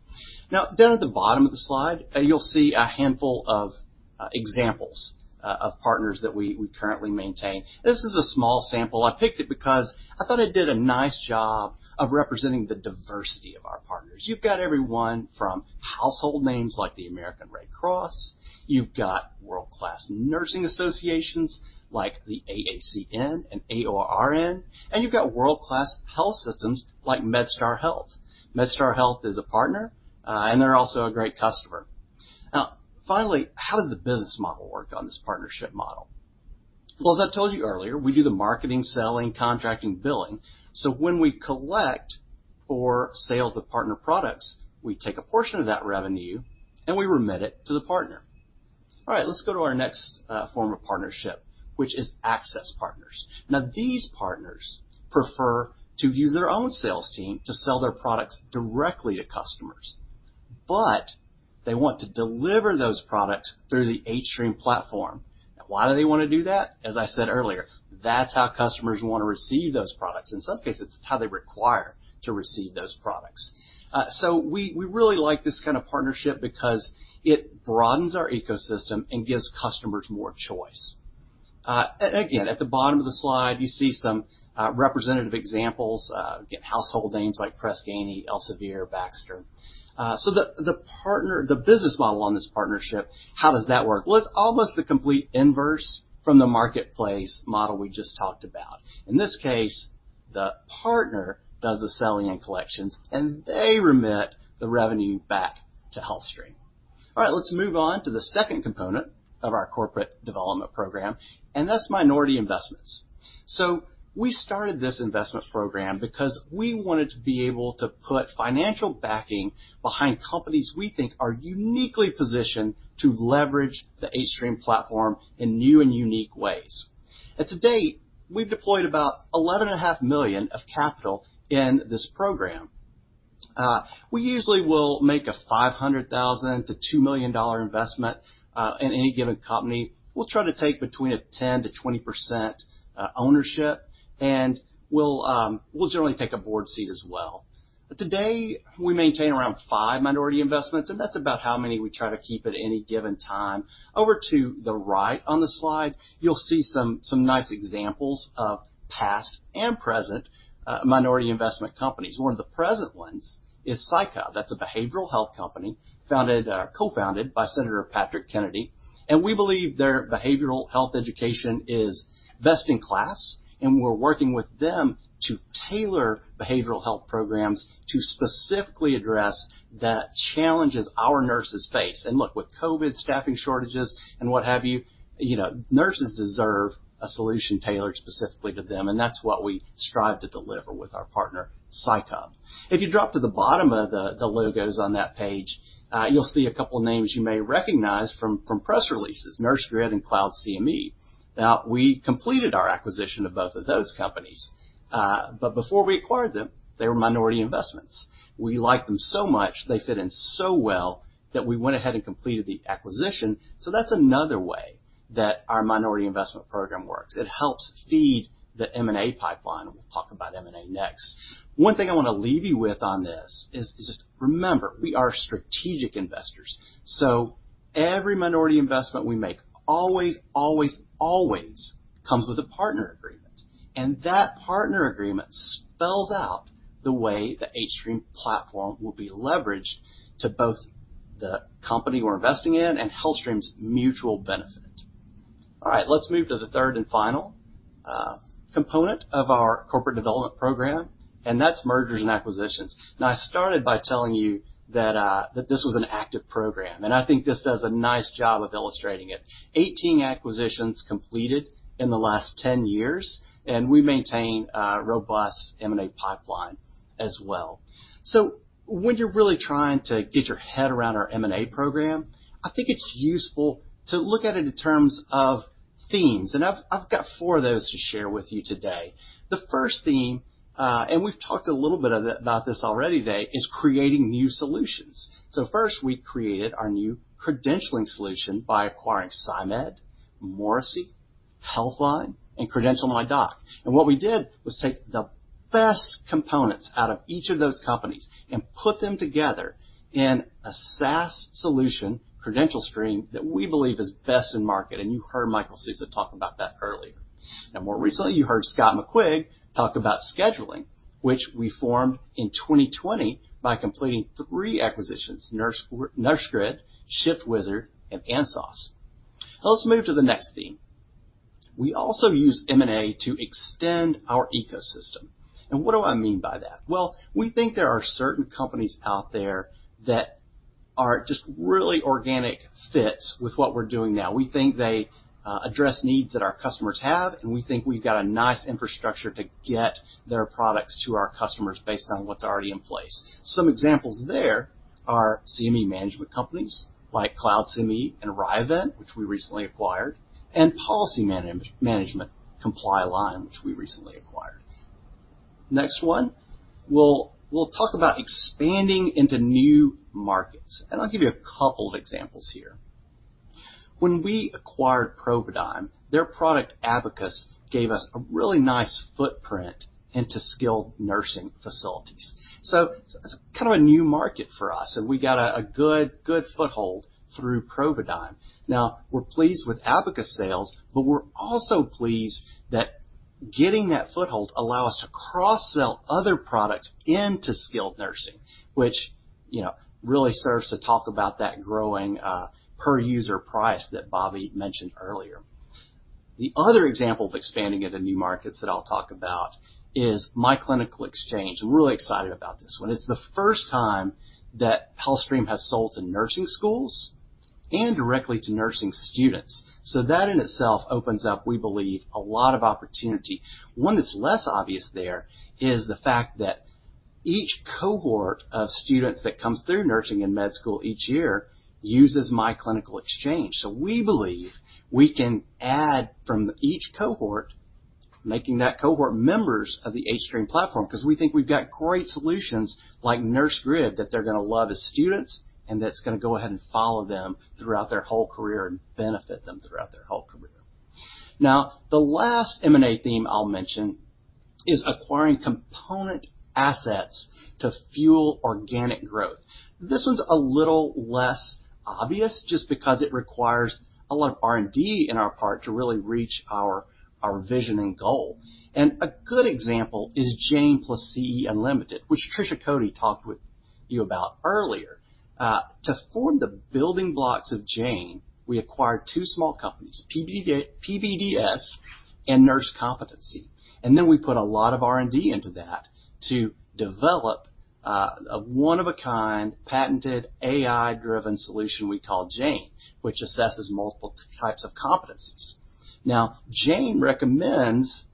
I: Now, down at the bottom of the slide, you'll see a handful of examples of partners that we currently maintain. This is a small sample. I picked it because I thought it did a nice job of representing the diversity of our partners. You've got everyone from household names like the American Red Cross. You've got world-class nursing associations like the AACN and AORN, and you've got world-class health systems like MedStar Health. MedStar Health is a partner, and they're also a great customer. Now, finally, how does the business model work on this partnership model? Well, as I told you earlier, we do the marketing, selling, contracting, billing. When we collect for sales of partner products, we take a portion of that revenue, and we remit it to the partner. All right. Let's go to our next form of partnership, which is access partners. Now, these partners prefer to use their own sales team to sell their products directly to customers, but they want to deliver those products through the hStream platform. Now, why do they wanna do that? As I said earlier, that's how customers want to receive those products. In some cases, it's how they require to receive those products. We really like this kind of partnership because it broadens our ecosystem and gives customers more choice. Again, at the bottom of the slide, you see some representative examples, again, household names like Press Ganey, Elsevier, Baxter. The business model on this partnership, how does that work? Well, it's almost the complete inverse from the marketplace model we just talked about. In this case, the partner does the selling and collections, and they remit the revenue back to HealthStream. All right, let's move on to the second component of our corporate development program, and that's minority investments. We started this investment program because we wanted to be able to put financial backing behind companies we think are uniquely positioned to leverage the hStream platform in new and unique ways. To date, we've deployed about $11.5 million of capital in this program. We usually will make a $500,000-$2 million dollar investment in any given company. We'll try to take between 10%-20% ownership, and we'll generally take a board seat as well. Today we maintain around five minority investments, and that's about how many we try to keep at any given time. Over to the right on the slide, you'll see some nice examples of past and present minority investment companies. One of the present ones is Psych Hub. That's a behavioral health company founded co-founded by Senator Patrick Kennedy. We believe their behavioral health education is best in class, and we're working with them to tailor behavioral health programs to specifically address the challenges our nurses face. Look, with COVID, staffing shortages and what have you know, nurses deserve a solution tailored specifically to them, and that's what we strive to deliver with our partner, Psych Hub. If you drop to the bottom of the logos on that page, you'll see a couple of names you may recognize from press releases, NurseGrid and CloudCME. Now, we completed our acquisition of both of those companies. Before we acquired them, they were minority investments. We like them so much, they fit in so well that we went ahead and completed the acquisition. That's another way that our minority investment program works. It helps feed the M&A pipeline. We'll talk about M&A next. One thing I wanna leave you with on this is just remember, we are strategic investors. Every minority investment we make always comes with a partner agreement. That partner agreement spells out the way the hStream platform will be leveraged to both the company we're investing in and HealthStream's mutual benefit. All right, let's move to the third and final component of our corporate development program, and that's mergers and acquisitions. Now, I started by telling you that this was an active program, and I think this does a nice job of illustrating it. 18 acquisitions completed in the last 10 years, and we maintain a robust M&A pipeline as well. When you're really trying to get your head around our M&A program, I think it's useful to look at it in terms of themes. I've got four of those to share with you today. The first theme, and we've talked a little bit about this already today, is creating new solutions. First we created our new credentialing solution by acquiring Sy.Med, Morrisey, HealthLine, and CredentialMyDoc. What we did was take the best components out of each of those companies and put them together in a SaaS solution, CredentialStream, that we believe is best in market. You heard Michael Sousa talk about that earlier. Now, more recently, you heard Scott McQuigg talk about scheduling, which we formed in 2020 by completing three acquisitions, NurseGrid, ShiftWizard, and ANSOS. Let's move to the next theme. We also use M&A to extend our ecosystem. What do I mean by that? Well, we think there are certain companies out there that are just really organic fits with what we're doing now. We think they address needs that our customers have, and we think we've got a nice infrastructure to get their products to our customers based on what's already in place. Some examples there are CME management companies like CloudCME and Rievent, which we recently acquired, and Policy Management ComplyALIGN, which we recently acquired. Next one, we'll talk about expanding into new markets. I'll give you a couple of examples here. When we acquired Providigm, their product abaqis gave us a really nice footprint into skilled nursing facilities. It's kind of a new market for us, and we got a good foothold through Providigm. Now we're pleased with abaqis sales, but we're also pleased that getting that foothold allow us to cross-sell other products into skilled nursing, which, you know, really serves to talk about that growing per user price that Bobby mentioned earlier. The other example of expanding into new markets that I'll talk about is myClinicalExchange. I'm really excited about this one. It's the first time that HealthStream has sold to nursing schools and directly to nursing students. That in itself opens up, we believe, a lot of opportunity. One that's less obvious there is the fact that each cohort of students that comes through nursing and med school each year uses myClinicalExchange. We believe we can add from each cohort, making that cohort members of the hStream platform because we think we've got great solutions like NurseGrid that they're gonna love as students, and that's gonna go ahead and follow them throughout their whole career and benefit them throughout their whole career. Now, the last M&A theme I'll mention is acquiring component assets to fuel organic growth. This one's a little less obvious just because it requires a lot of R&D in our part to really reach our vision and goal. A good example is Jane + CE Unlimited, which Tricia Cody talked with you about earlier. To form the building blocks of Jane, we acquired two small companies, PBDS and Nurse Competency. We put a lot of R&D into that to develop a one-of-a-kind patented AI-driven solution we call Jane, which assesses multiple types of competencies. Now, Jane recommends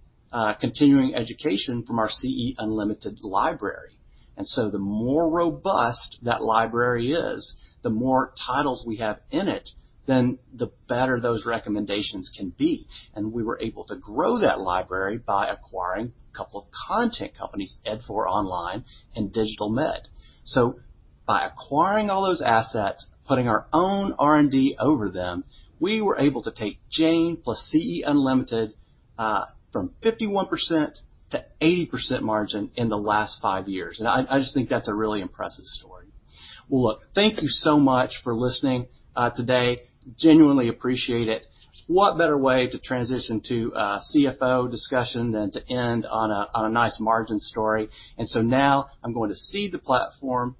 I: continuing education from our CE Unlimited library. The more robust that library is, the more titles we have in it, then the better those recommendations can be. We were able to grow that library by acquiring a couple of content companies, Ed4Online and DigitalMed. By acquiring all those assets, putting our own R&D over them, we were able to take Jane plus CE Unlimited from 51%-80% margin in the last five years. I just think that's a really impressive story. Well, look, thank you so much for listening, today. Genuinely appreciate it. What better way to transition to a CFO discussion than to end on a nice margin story. Now I'm going to cede the platform,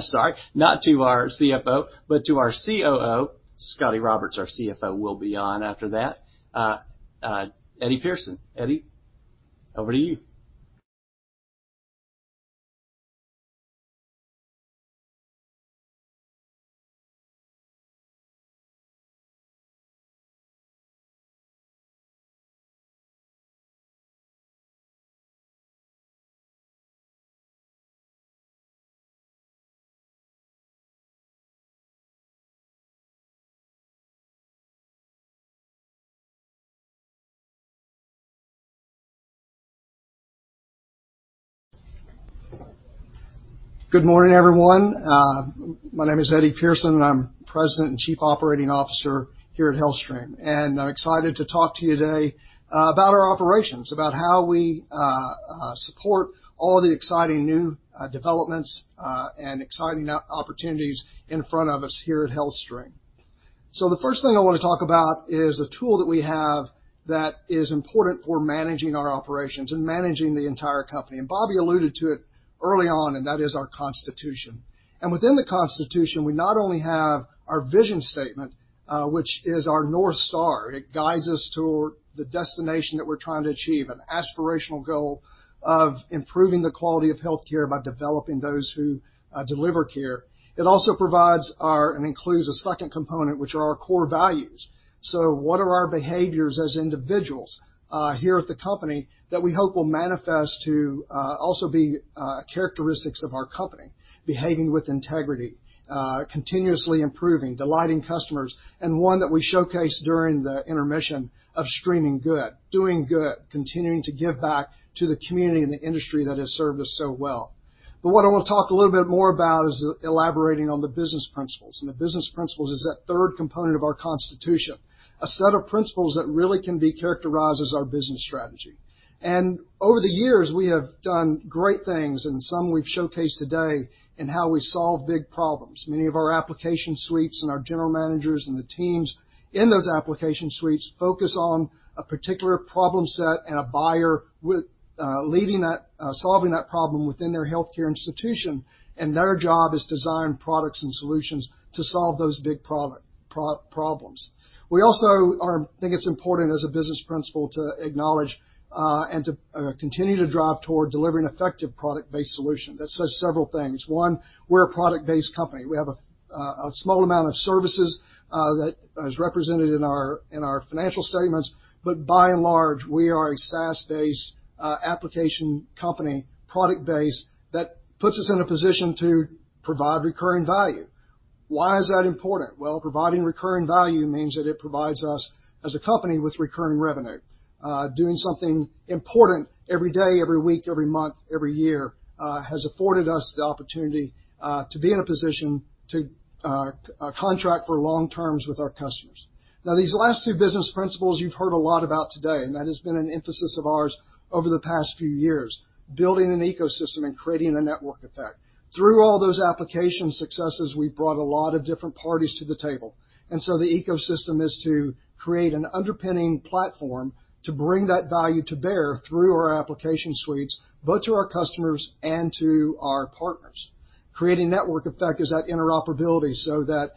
I: sorry, not to our CFO, but to our COO. Scotty Roberts, our CFO, will be on after that. Eddie Pearson. Eddie, over to you.
J: Good morning, everyone. My name is Eddie Pearson, and I'm President and Chief Operating Officer here at HealthStream. I'm excited to talk to you today about our operations, about how we support all the exciting new developments and exciting opportunities in front of us here at HealthStream. The first thing I wanna talk about is a tool that we have that is important for managing our operations and managing the entire company. Bobby alluded to it early on, and that is our Constitution. Within the Constitution, we not only have our vision statement, which is our North Star. It guides us toward the destination that we're trying to achieve, an aspirational goal of improving the quality of healthcare by developing those who deliver care. It also includes a second component, which are our core values. What are our behaviors as individuals here at the company that we hope will manifest to also be characteristics of our company? Behaving with integrity, continuously improving, delighting customers, and one that we showcased during the intermission of Streaming Good, doing good, continuing to give back to the community and the industry that has served us so well. What I want to talk a little bit more about is elaborating on the business principles. The business principles is that third component of our Constitution, a set of principles that really can be characterized as our business strategy. Over the years, we have done great things, and some we've showcased today in how we solve big problems. Many of our application suites and our general managers and the teams in those application suites focus on a particular problem set and a buyer with leading that solving that problem within their healthcare institution. Their job is design products and solutions to solve those big problems. We think it's important as a business principle to acknowledge and to continue to drive toward delivering effective product-based solution. That says several things. One, we're a product-based company. We have a small amount of services that is represented in our financial statements, but by and large, we are a SaaS-based application company, product-based, that puts us in a position to provide recurring value. Why is that important? Well, providing recurring value means that it provides us as a company with recurring revenue. Doing something important every day, every week, every month, every year, has afforded us the opportunity to be in a position to contract for long terms with our customers. Now, these last two business principles you've heard a lot about today, and that has been an emphasis of ours over the past few years, building an ecosystem and creating a network effect. Through all those application successes, we've brought a lot of different parties to the table. The ecosystem is to create an underpinning platform to bring that value to bear through our application suites, both to our customers and to our partners. Creating network effect is that interoperability so that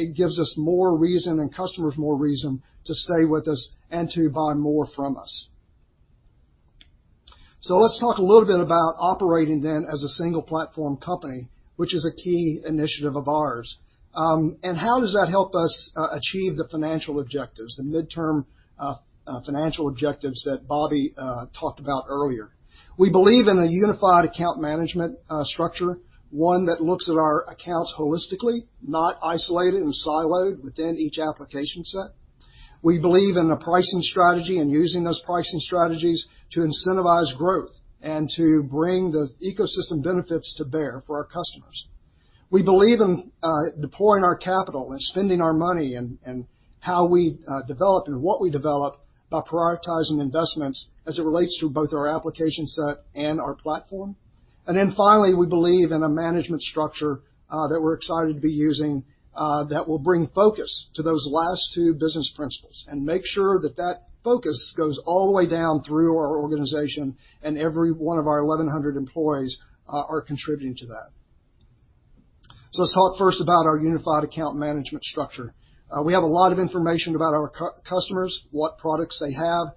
J: it gives us more reason and customers more reason to stay with us and to buy more from us. Let's talk a little bit about operating then as a single platform company, which is a key initiative of ours. How does that help us achieve the financial objectives, the midterm financial objectives that Bobby talked about earlier? We believe in a unified account management structure, one that looks at our accounts holistically, not isolated and siloed within each application set. We believe in a pricing strategy and using those pricing strategies to incentivize growth and to bring the ecosystem benefits to bear for our customers. We believe in deploying our capital and spending our money and how we develop and what we develop by prioritizing investments as it relates to both our application set and our platform. Finally, we believe in a management structure that we're excited to be using that will bring focus to those last two business principles and make sure that focus goes all the way down through our organization and every one of our 1,100 employees are contributing to that. Let's talk first about our unified account management structure. We have a lot of information about our customers, what products they have.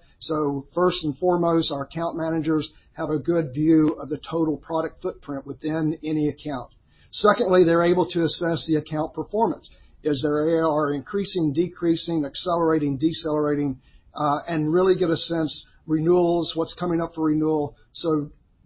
J: First and foremost, our account managers have a good view of the total product footprint within any account. Secondly, they're able to assess the account performance as they are increasing, decreasing, accelerating, decelerating, and really get a sense, renewals, what's coming up for renewal.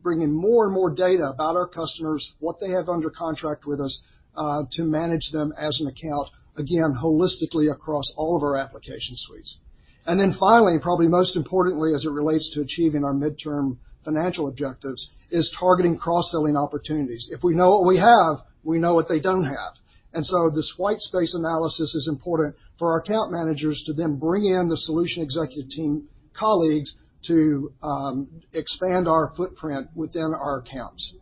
J: Bringing more and more data about our customers, what they have under contract with us, to manage them as an account, again, holistically across all of our application suites. Finally, probably most importantly, as it relates to achieving our midterm financial objectives, is targeting cross-selling opportunities. If we know what we have, we know what they don't have. This white space analysis is important for our account managers to then bring in the solution executive team colleagues to expand our footprint within our accounts.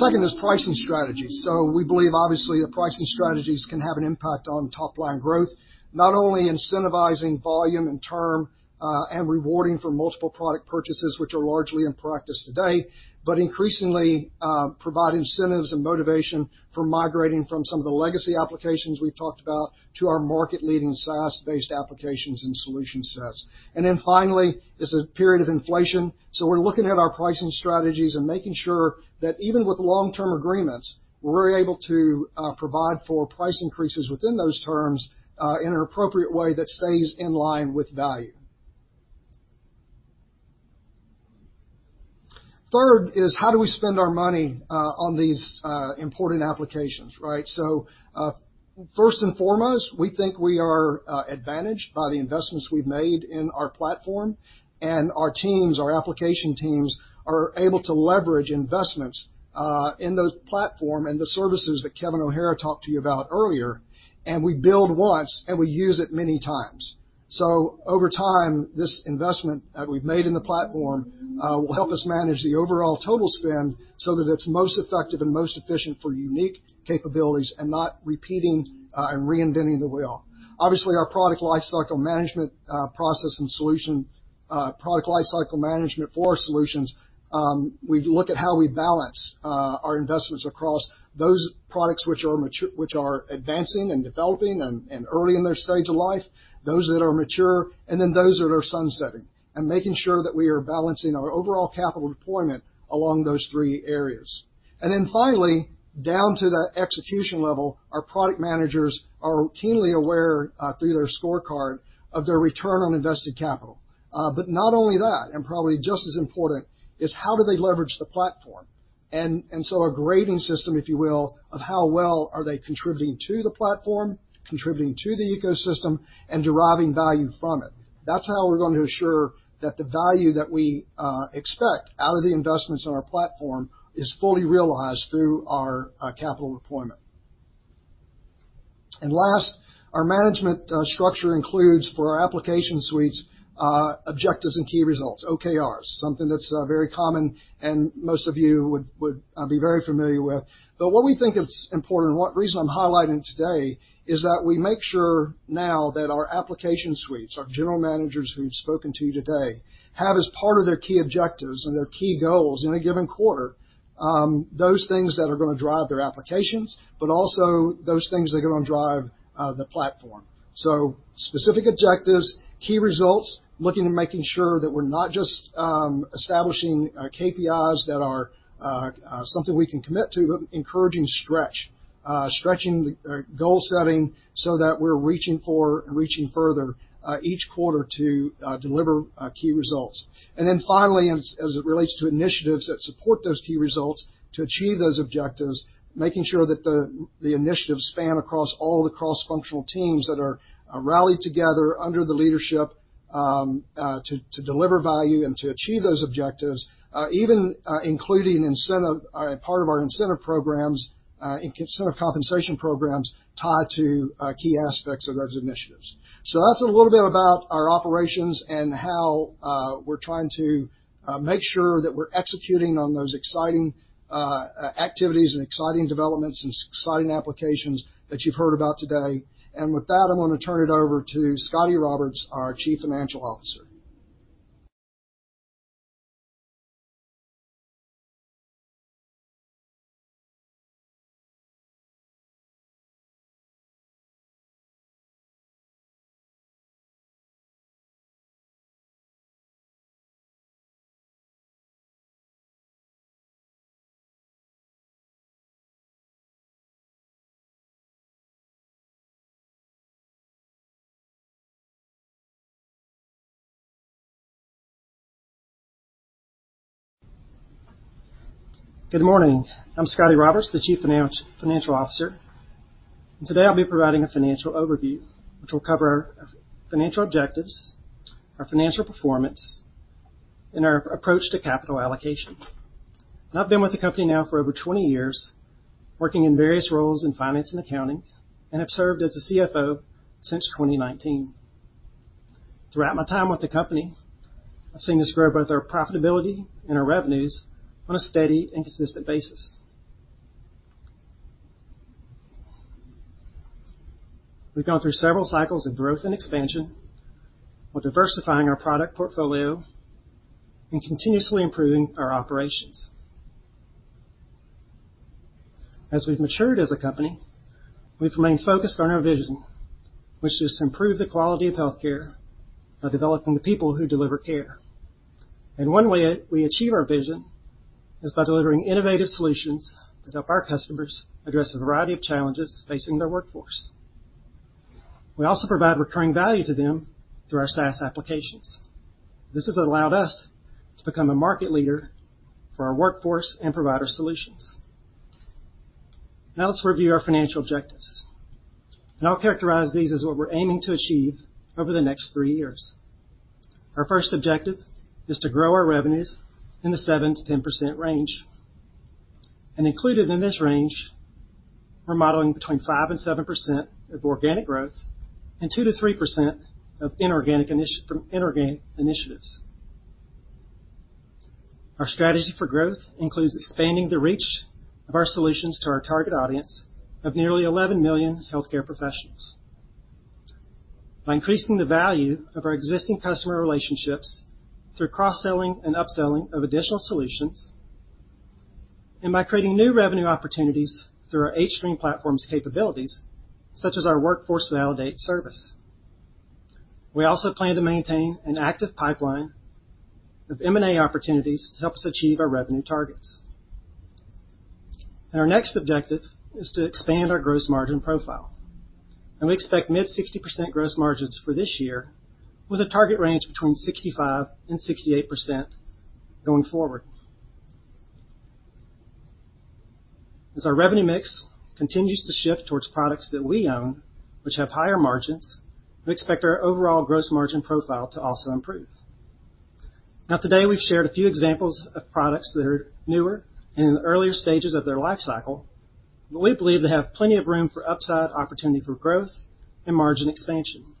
J: Second is pricing strategy. We believe, obviously, the pricing strategies can have an impact on top line growth, not only incentivizing volume and term, and rewarding for multiple product purchases, which are largely in practice today, but increasingly, provide incentives and motivation for migrating from some of the legacy applications we've talked about to our market-leading SaaS-based applications and solution sets. Then finally, it's a period of inflation, so we're looking at our pricing strategies and making sure that even with long-term agreements, we're able to, provide for price increases within those terms, in an appropriate way that stays in line with value. Third is how do we spend our money, on these, important applications, right? First and foremost, we think we are advantaged by the investments we've made in our platform, and our teams, our application teams are able to leverage investments in those platform and the services that Kevin O'Hara talked to you about earlier, and we build once, and we use it many times. Over time, this investment that we've made in the platform will help us manage the overall total spend so that it's most effective and most efficient for unique capabilities and not repeating and reinventing the wheel. Obviously, our product lifecycle management process and solution for our solutions, we look at how we balance our investments across those products which are mature. which are advancing and developing and early in their stage of life, those that are mature, and then those that are sunsetting, and making sure that we are balancing our overall capital deployment along those three areas. Finally, down to the execution level, our product managers are keenly aware through their scorecard of their return on invested capital. Not only that, and probably just as important, is how do they leverage the platform. A grading system, if you will, of how well are they contributing to the platform, contributing to the ecosystem, and deriving value from it. That's how we're going to assure that the value that we expect out of the investments in our platform is fully realized through our capital deployment. Last, our management structure includes, for our application suites, objectives and key results, OKRs, something that's very common and most of you would be very familiar with. The reason I'm highlighting today is that we make sure now that our application suites, our general managers who've spoken to you today, have as part of their key objectives and their key goals in a given quarter, those things that are gonna drive their applications, but also those things that are gonna drive the platform. Specific objectives, key results, looking and making sure that we're not just establishing KPIs that are something we can commit to, but encouraging stretch. Stretching the goal setting so that we're reaching for and reaching further each quarter to deliver key results. Finally, as it relates to initiatives that support those key results to achieve those objectives, making sure that the initiatives span across all the cross-functional teams that are rallied together under the leadership to deliver value and to achieve those objectives, even including part of our incentive programs, incentive compensation programs tied to key aspects of those initiatives. That's a little bit about our operations and how we're trying to make sure that we're executing on those exciting activities and exciting developments and exciting applications that you've heard about today. With that, I'm gonna turn it over to Scotty Roberts, our Chief Financial Officer.
K: Good morning. I'm Scotty Roberts, the Chief Financial Officer. Today, I'll be providing a financial overview, which will cover our financial objectives, our financial performance, and our approach to capital allocation. I've been with the company now for over 20 years, working in various roles in finance and accounting, and have served as the CFO since 2019. Throughout my time with the company, I've seen us grow both our profitability and our revenues on a steady and consistent basis. We've gone through several cycles of growth and expansion while diversifying our product portfolio and continuously improving our operations. As we've matured as a company, we've remained focused on our vision, which is to improve the quality of healthcare by developing the people who deliver care. One way we achieve our vision is by delivering innovative solutions that help our customers address a variety of challenges facing their workforce. We also provide recurring value to them through our SaaS applications. This has allowed us to become a market leader for our workforce and provider solutions. Now let's review our financial objectives, and I'll characterize these as what we're aiming to achieve over the next three years. Our first objective is to grow our revenues in the 7%-10% range. Included in this range, we're modeling between 5%-7% of organic growth and 2%-3% of inorganic from inorganic initiatives. Our strategy for growth includes expanding the reach of our solutions to our target audience of nearly 11 million healthcare professionals. By increasing the value of our existing customer relationships through cross-selling and upselling of additional solutions, and by creating new revenue opportunities through our hStream platform's capabilities, such as our Workforce Validate service. We also plan to maintain an active pipeline of M&A opportunities to help us achieve our revenue targets. Our next objective is to expand our gross margin profile. We expect mid 60% gross margins for this year with a target range between 65% and 68% going forward. As our revenue mix continues to shift towards products that we own, which have higher margins, we expect our overall gross margin profile to also improve. Now today, we've shared a few examples of products that are newer and in the earlier stages of their life cycle. We believe they have plenty of room for upside opportunity for growth and margin expansion,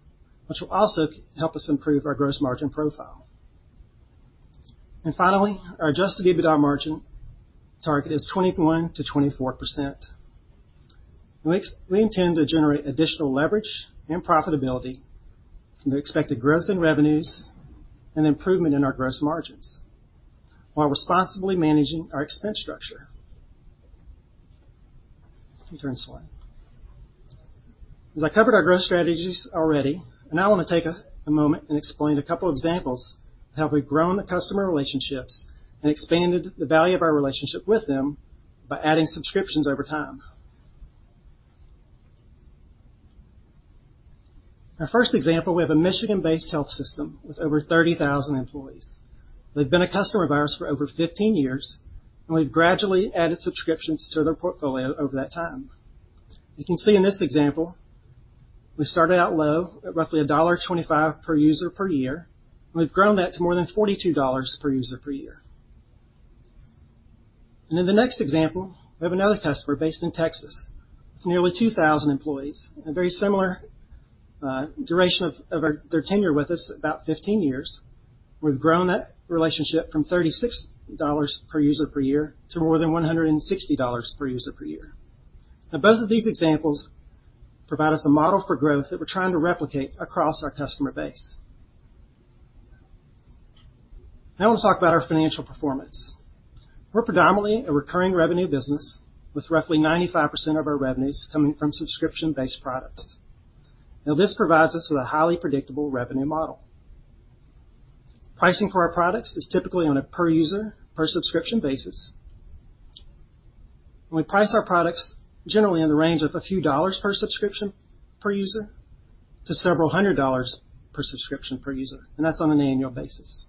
K: which will also help us improve our gross margin profile. Finally, our adjusted EBITDA margin target is 21%-24%. We intend to generate additional leverage and profitability from the expected growth in revenues and improvement in our gross margins while responsibly managing our expense structure. You can turn the slide. As I covered our growth strategies already, now I want to take a moment and explain a couple examples of how we've grown the customer relationships and expanded the value of our relationship with them by adding subscriptions over time. Our first example, we have a Michigan-based health system with over 30,000 employees. They've been a customer of ours for over 15 years, and we've gradually added subscriptions to their portfolio over that time. You can see in this example, we started out low at roughly $1.25 per user per year, and we've grown that to more than $42 per user per year. In the next example, we have another customer based in Texas with nearly 2,000 employees and a very similar duration of their tenure with us, about 15 years. We've grown that relationship from $36 per user per year to more than $160 per user per year. Now, both of these examples provide us a model for growth that we're trying to replicate across our customer base. Now I want to talk about our financial performance. We're predominantly a recurring revenue business with roughly 95% of our revenues coming from subscription-based products. Now this provides us with a highly predictable revenue model. Pricing for our products is typically on a per user, per subscription basis. We price our products generally in the range of a few dollars per subscription per user to several hundred dollars per subscription per user, and that's on an annual basis.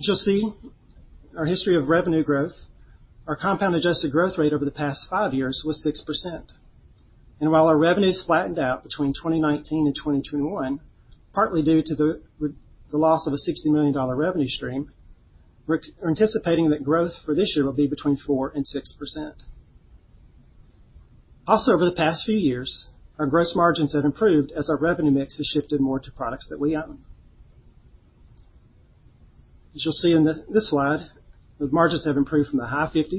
K: As you'll see, our history of revenue growth, our compound annual growth rate over the past five years was 6%. While our revenues flattened out between 2019 and 2021, partly due to the loss of a $60 million revenue stream, we're anticipating that growth for this year will be between 4% and 6%. Over the past few years, our gross margins have improved as our revenue mix has shifted more to products that we own. As you'll see in this slide, those margins have improved from the high 50s%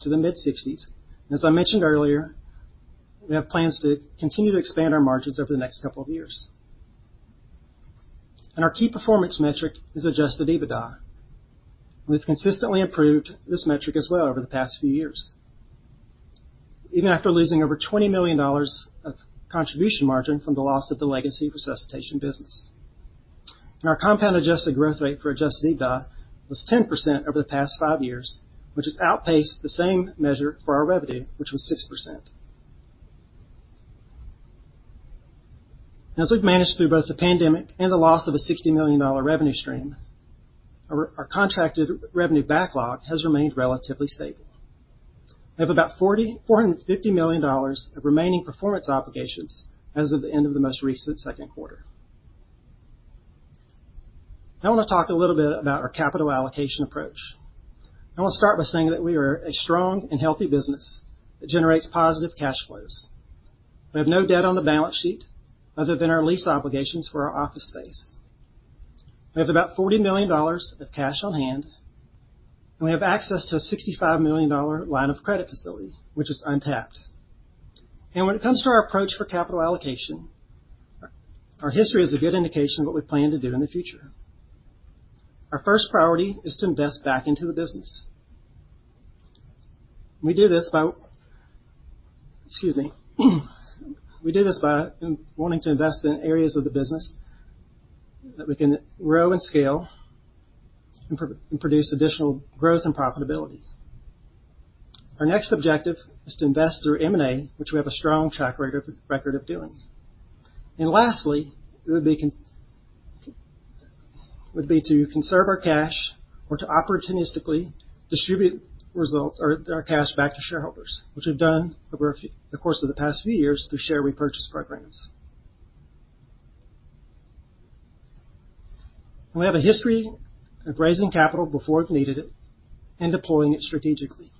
K: to the mid 60s%. As I mentioned earlier, we have plans to continue to expand our margins over the next couple of years. Our key performance metric is adjusted EBITDA. We've consistently improved this metric as well over the past few years, even after losing over $20 million of contribution margin from the loss of the legacy resuscitation business. Our compound adjusted growth rate for adjusted EBITDA was 10% over the past five years, which has outpaced the same measure for our revenue, which was 6%. As we've managed through both the pandemic and the loss of a $60 million revenue stream, our contracted revenue backlog has remained relatively stable. We have about $450 million of remaining performance obligations as of the end of the most recent second quarter. Now I want to talk a little bit about our capital allocation approach. I want to start by saying that we are a strong and healthy business that generates positive cash flows. We have no debt on the balance sheet other than our lease obligations for our office space. We have about $40 million of cash on hand, and we have access to a $65 million line of credit facility, which is untapped. When it comes to our approach for capital allocation, our history is a good indication of what we plan to do in the future. Our first priority is to invest back into the business. We do this by wanting to invest in areas of the business that we can grow and scale and produce additional growth and profitability. Our next objective is to invest through M&A, which we have a strong track record of doing. Lastly, it would be to conserve our cash or to opportunistically distribute results or our cash back to shareholders, which we've done over the course of the past few years through share repurchase programs. We have a history of raising capital before it needed it and deploying it strategically.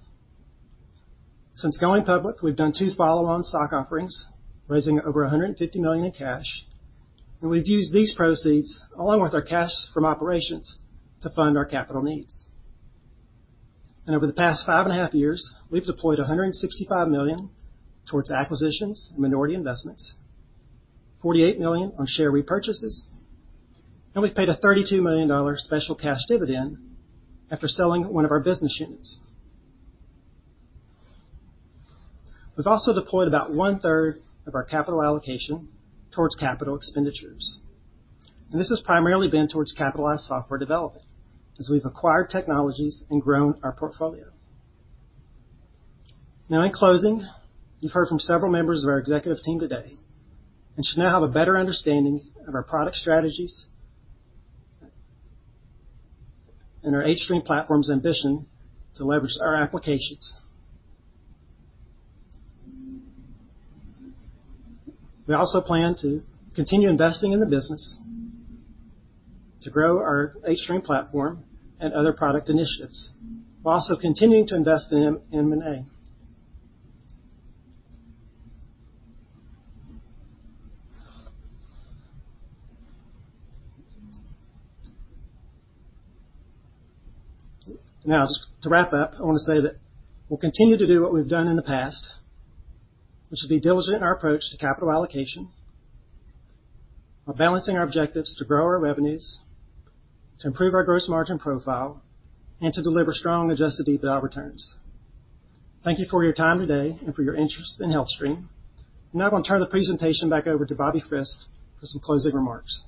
K: Since going public, we've done two follow-on stock offerings, raising over $150 million in cash, and we've used these proceeds, along with our cash from operations, to fund our capital needs. Over the past five and a half years, we've deployed $165 million towards acquisitions and minority investments, $48 million on share repurchases, and we've paid a $32 million special cash dividend after selling one of our business units. We've also deployed about 1/3 of our capital allocation towards capital expenditures. This has primarily been towards capitalized software development as we've acquired technologies and grown our portfolio. Now, in closing, you've heard from several members of our executive team today and should now have a better understanding of our product strategies and our hStream platform's ambition to leverage our applications. We also plan to continue investing in the business to grow our hStream platform and other product initiatives. We're also continuing to invest in M&A. Now, to wrap up, I wanna say that we'll continue to do what we've done in the past, we'll be diligent in our approach to capital allocation. We're balancing our objectives to grow our revenues, to improve our gross margin profile, and to deliver strong adjusted EBITDA returns. Thank you for your time today and for your interest in HealthStream. I'm now gonna turn the presentation back over to Bobby Frist for some closing remarks.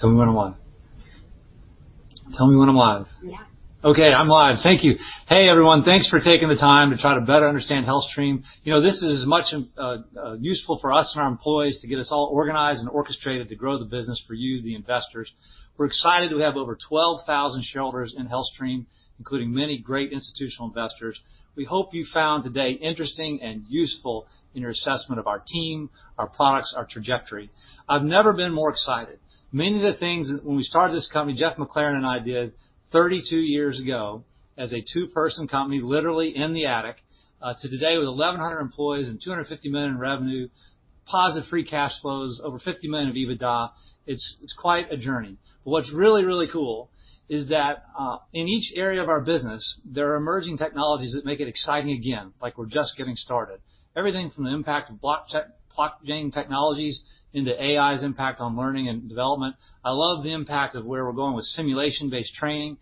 B: Okay, I'm live. Thank you. Hey, everyone. Thanks for taking the time to try to better understand HealthStream. You know, this is much useful for us and our employees to get us all organized and orchestrated to grow the business for you, the investors. We're excited to have over 12,000 shareholders in HealthStream, including many great institutional investors. We hope you found today interesting and useful in your assessment of our team, our products, our trajectory. I've never been more excited. Many of the things that when we started this company, Jeff McLaren and I did 32 years ago as a two-person company, literally in the attic, to today, with 1,100 employees and $250 million in revenue, positive free cash flows, over $50 million of EBITDA. It's quite a journey. What's really, really cool is that in each area of our business, there are emerging technologies that make it exciting again, like we're just getting started. Everything from the impact of blockchain technologies to AI's impact on learning and development. I love the impact of where we're going with simulation-based training.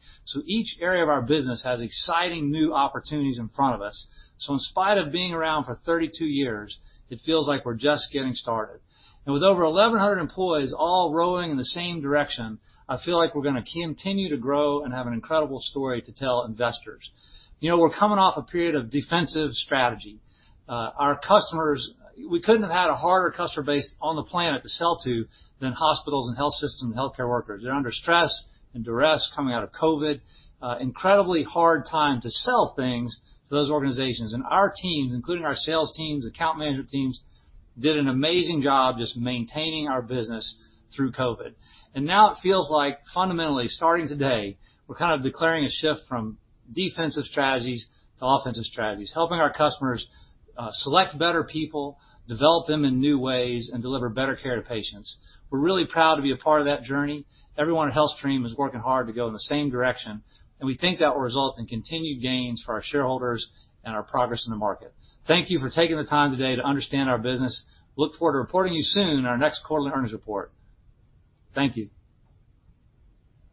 B: Each area of our business has exciting new opportunities in front of us. In spite of being around for 32 years, it feels like we're just getting started. With over 1,100 employees all rowing in the same direction, I feel like we're gonna continue to grow and have an incredible story to tell investors. You know, we're coming off a period of defensive strategy. Our customers, we couldn't have had a harder customer base on the planet to sell to than hospitals and health systems and healthcare workers. They're under stress and duress coming out of COVID, incredibly hard time to sell things to those organizations. Our teams, including our sales teams, account management teams, did an amazing job just maintaining our business through COVID. Now it feels like fundamentally, starting today, we're kind of declaring a shift from defensive strategies to offensive strategies, helping our customers select better people, develop them in new ways, and deliver better care to patients. We're really proud to be a part of that journey. Everyone at HealthStream is working hard to go in the same direction, and we think that will result in continued gains for our shareholders and our progress in the market. Thank you for taking the time today to understand our business. Look forward to reporting you soon in our next quarterly earnings report. Thank you.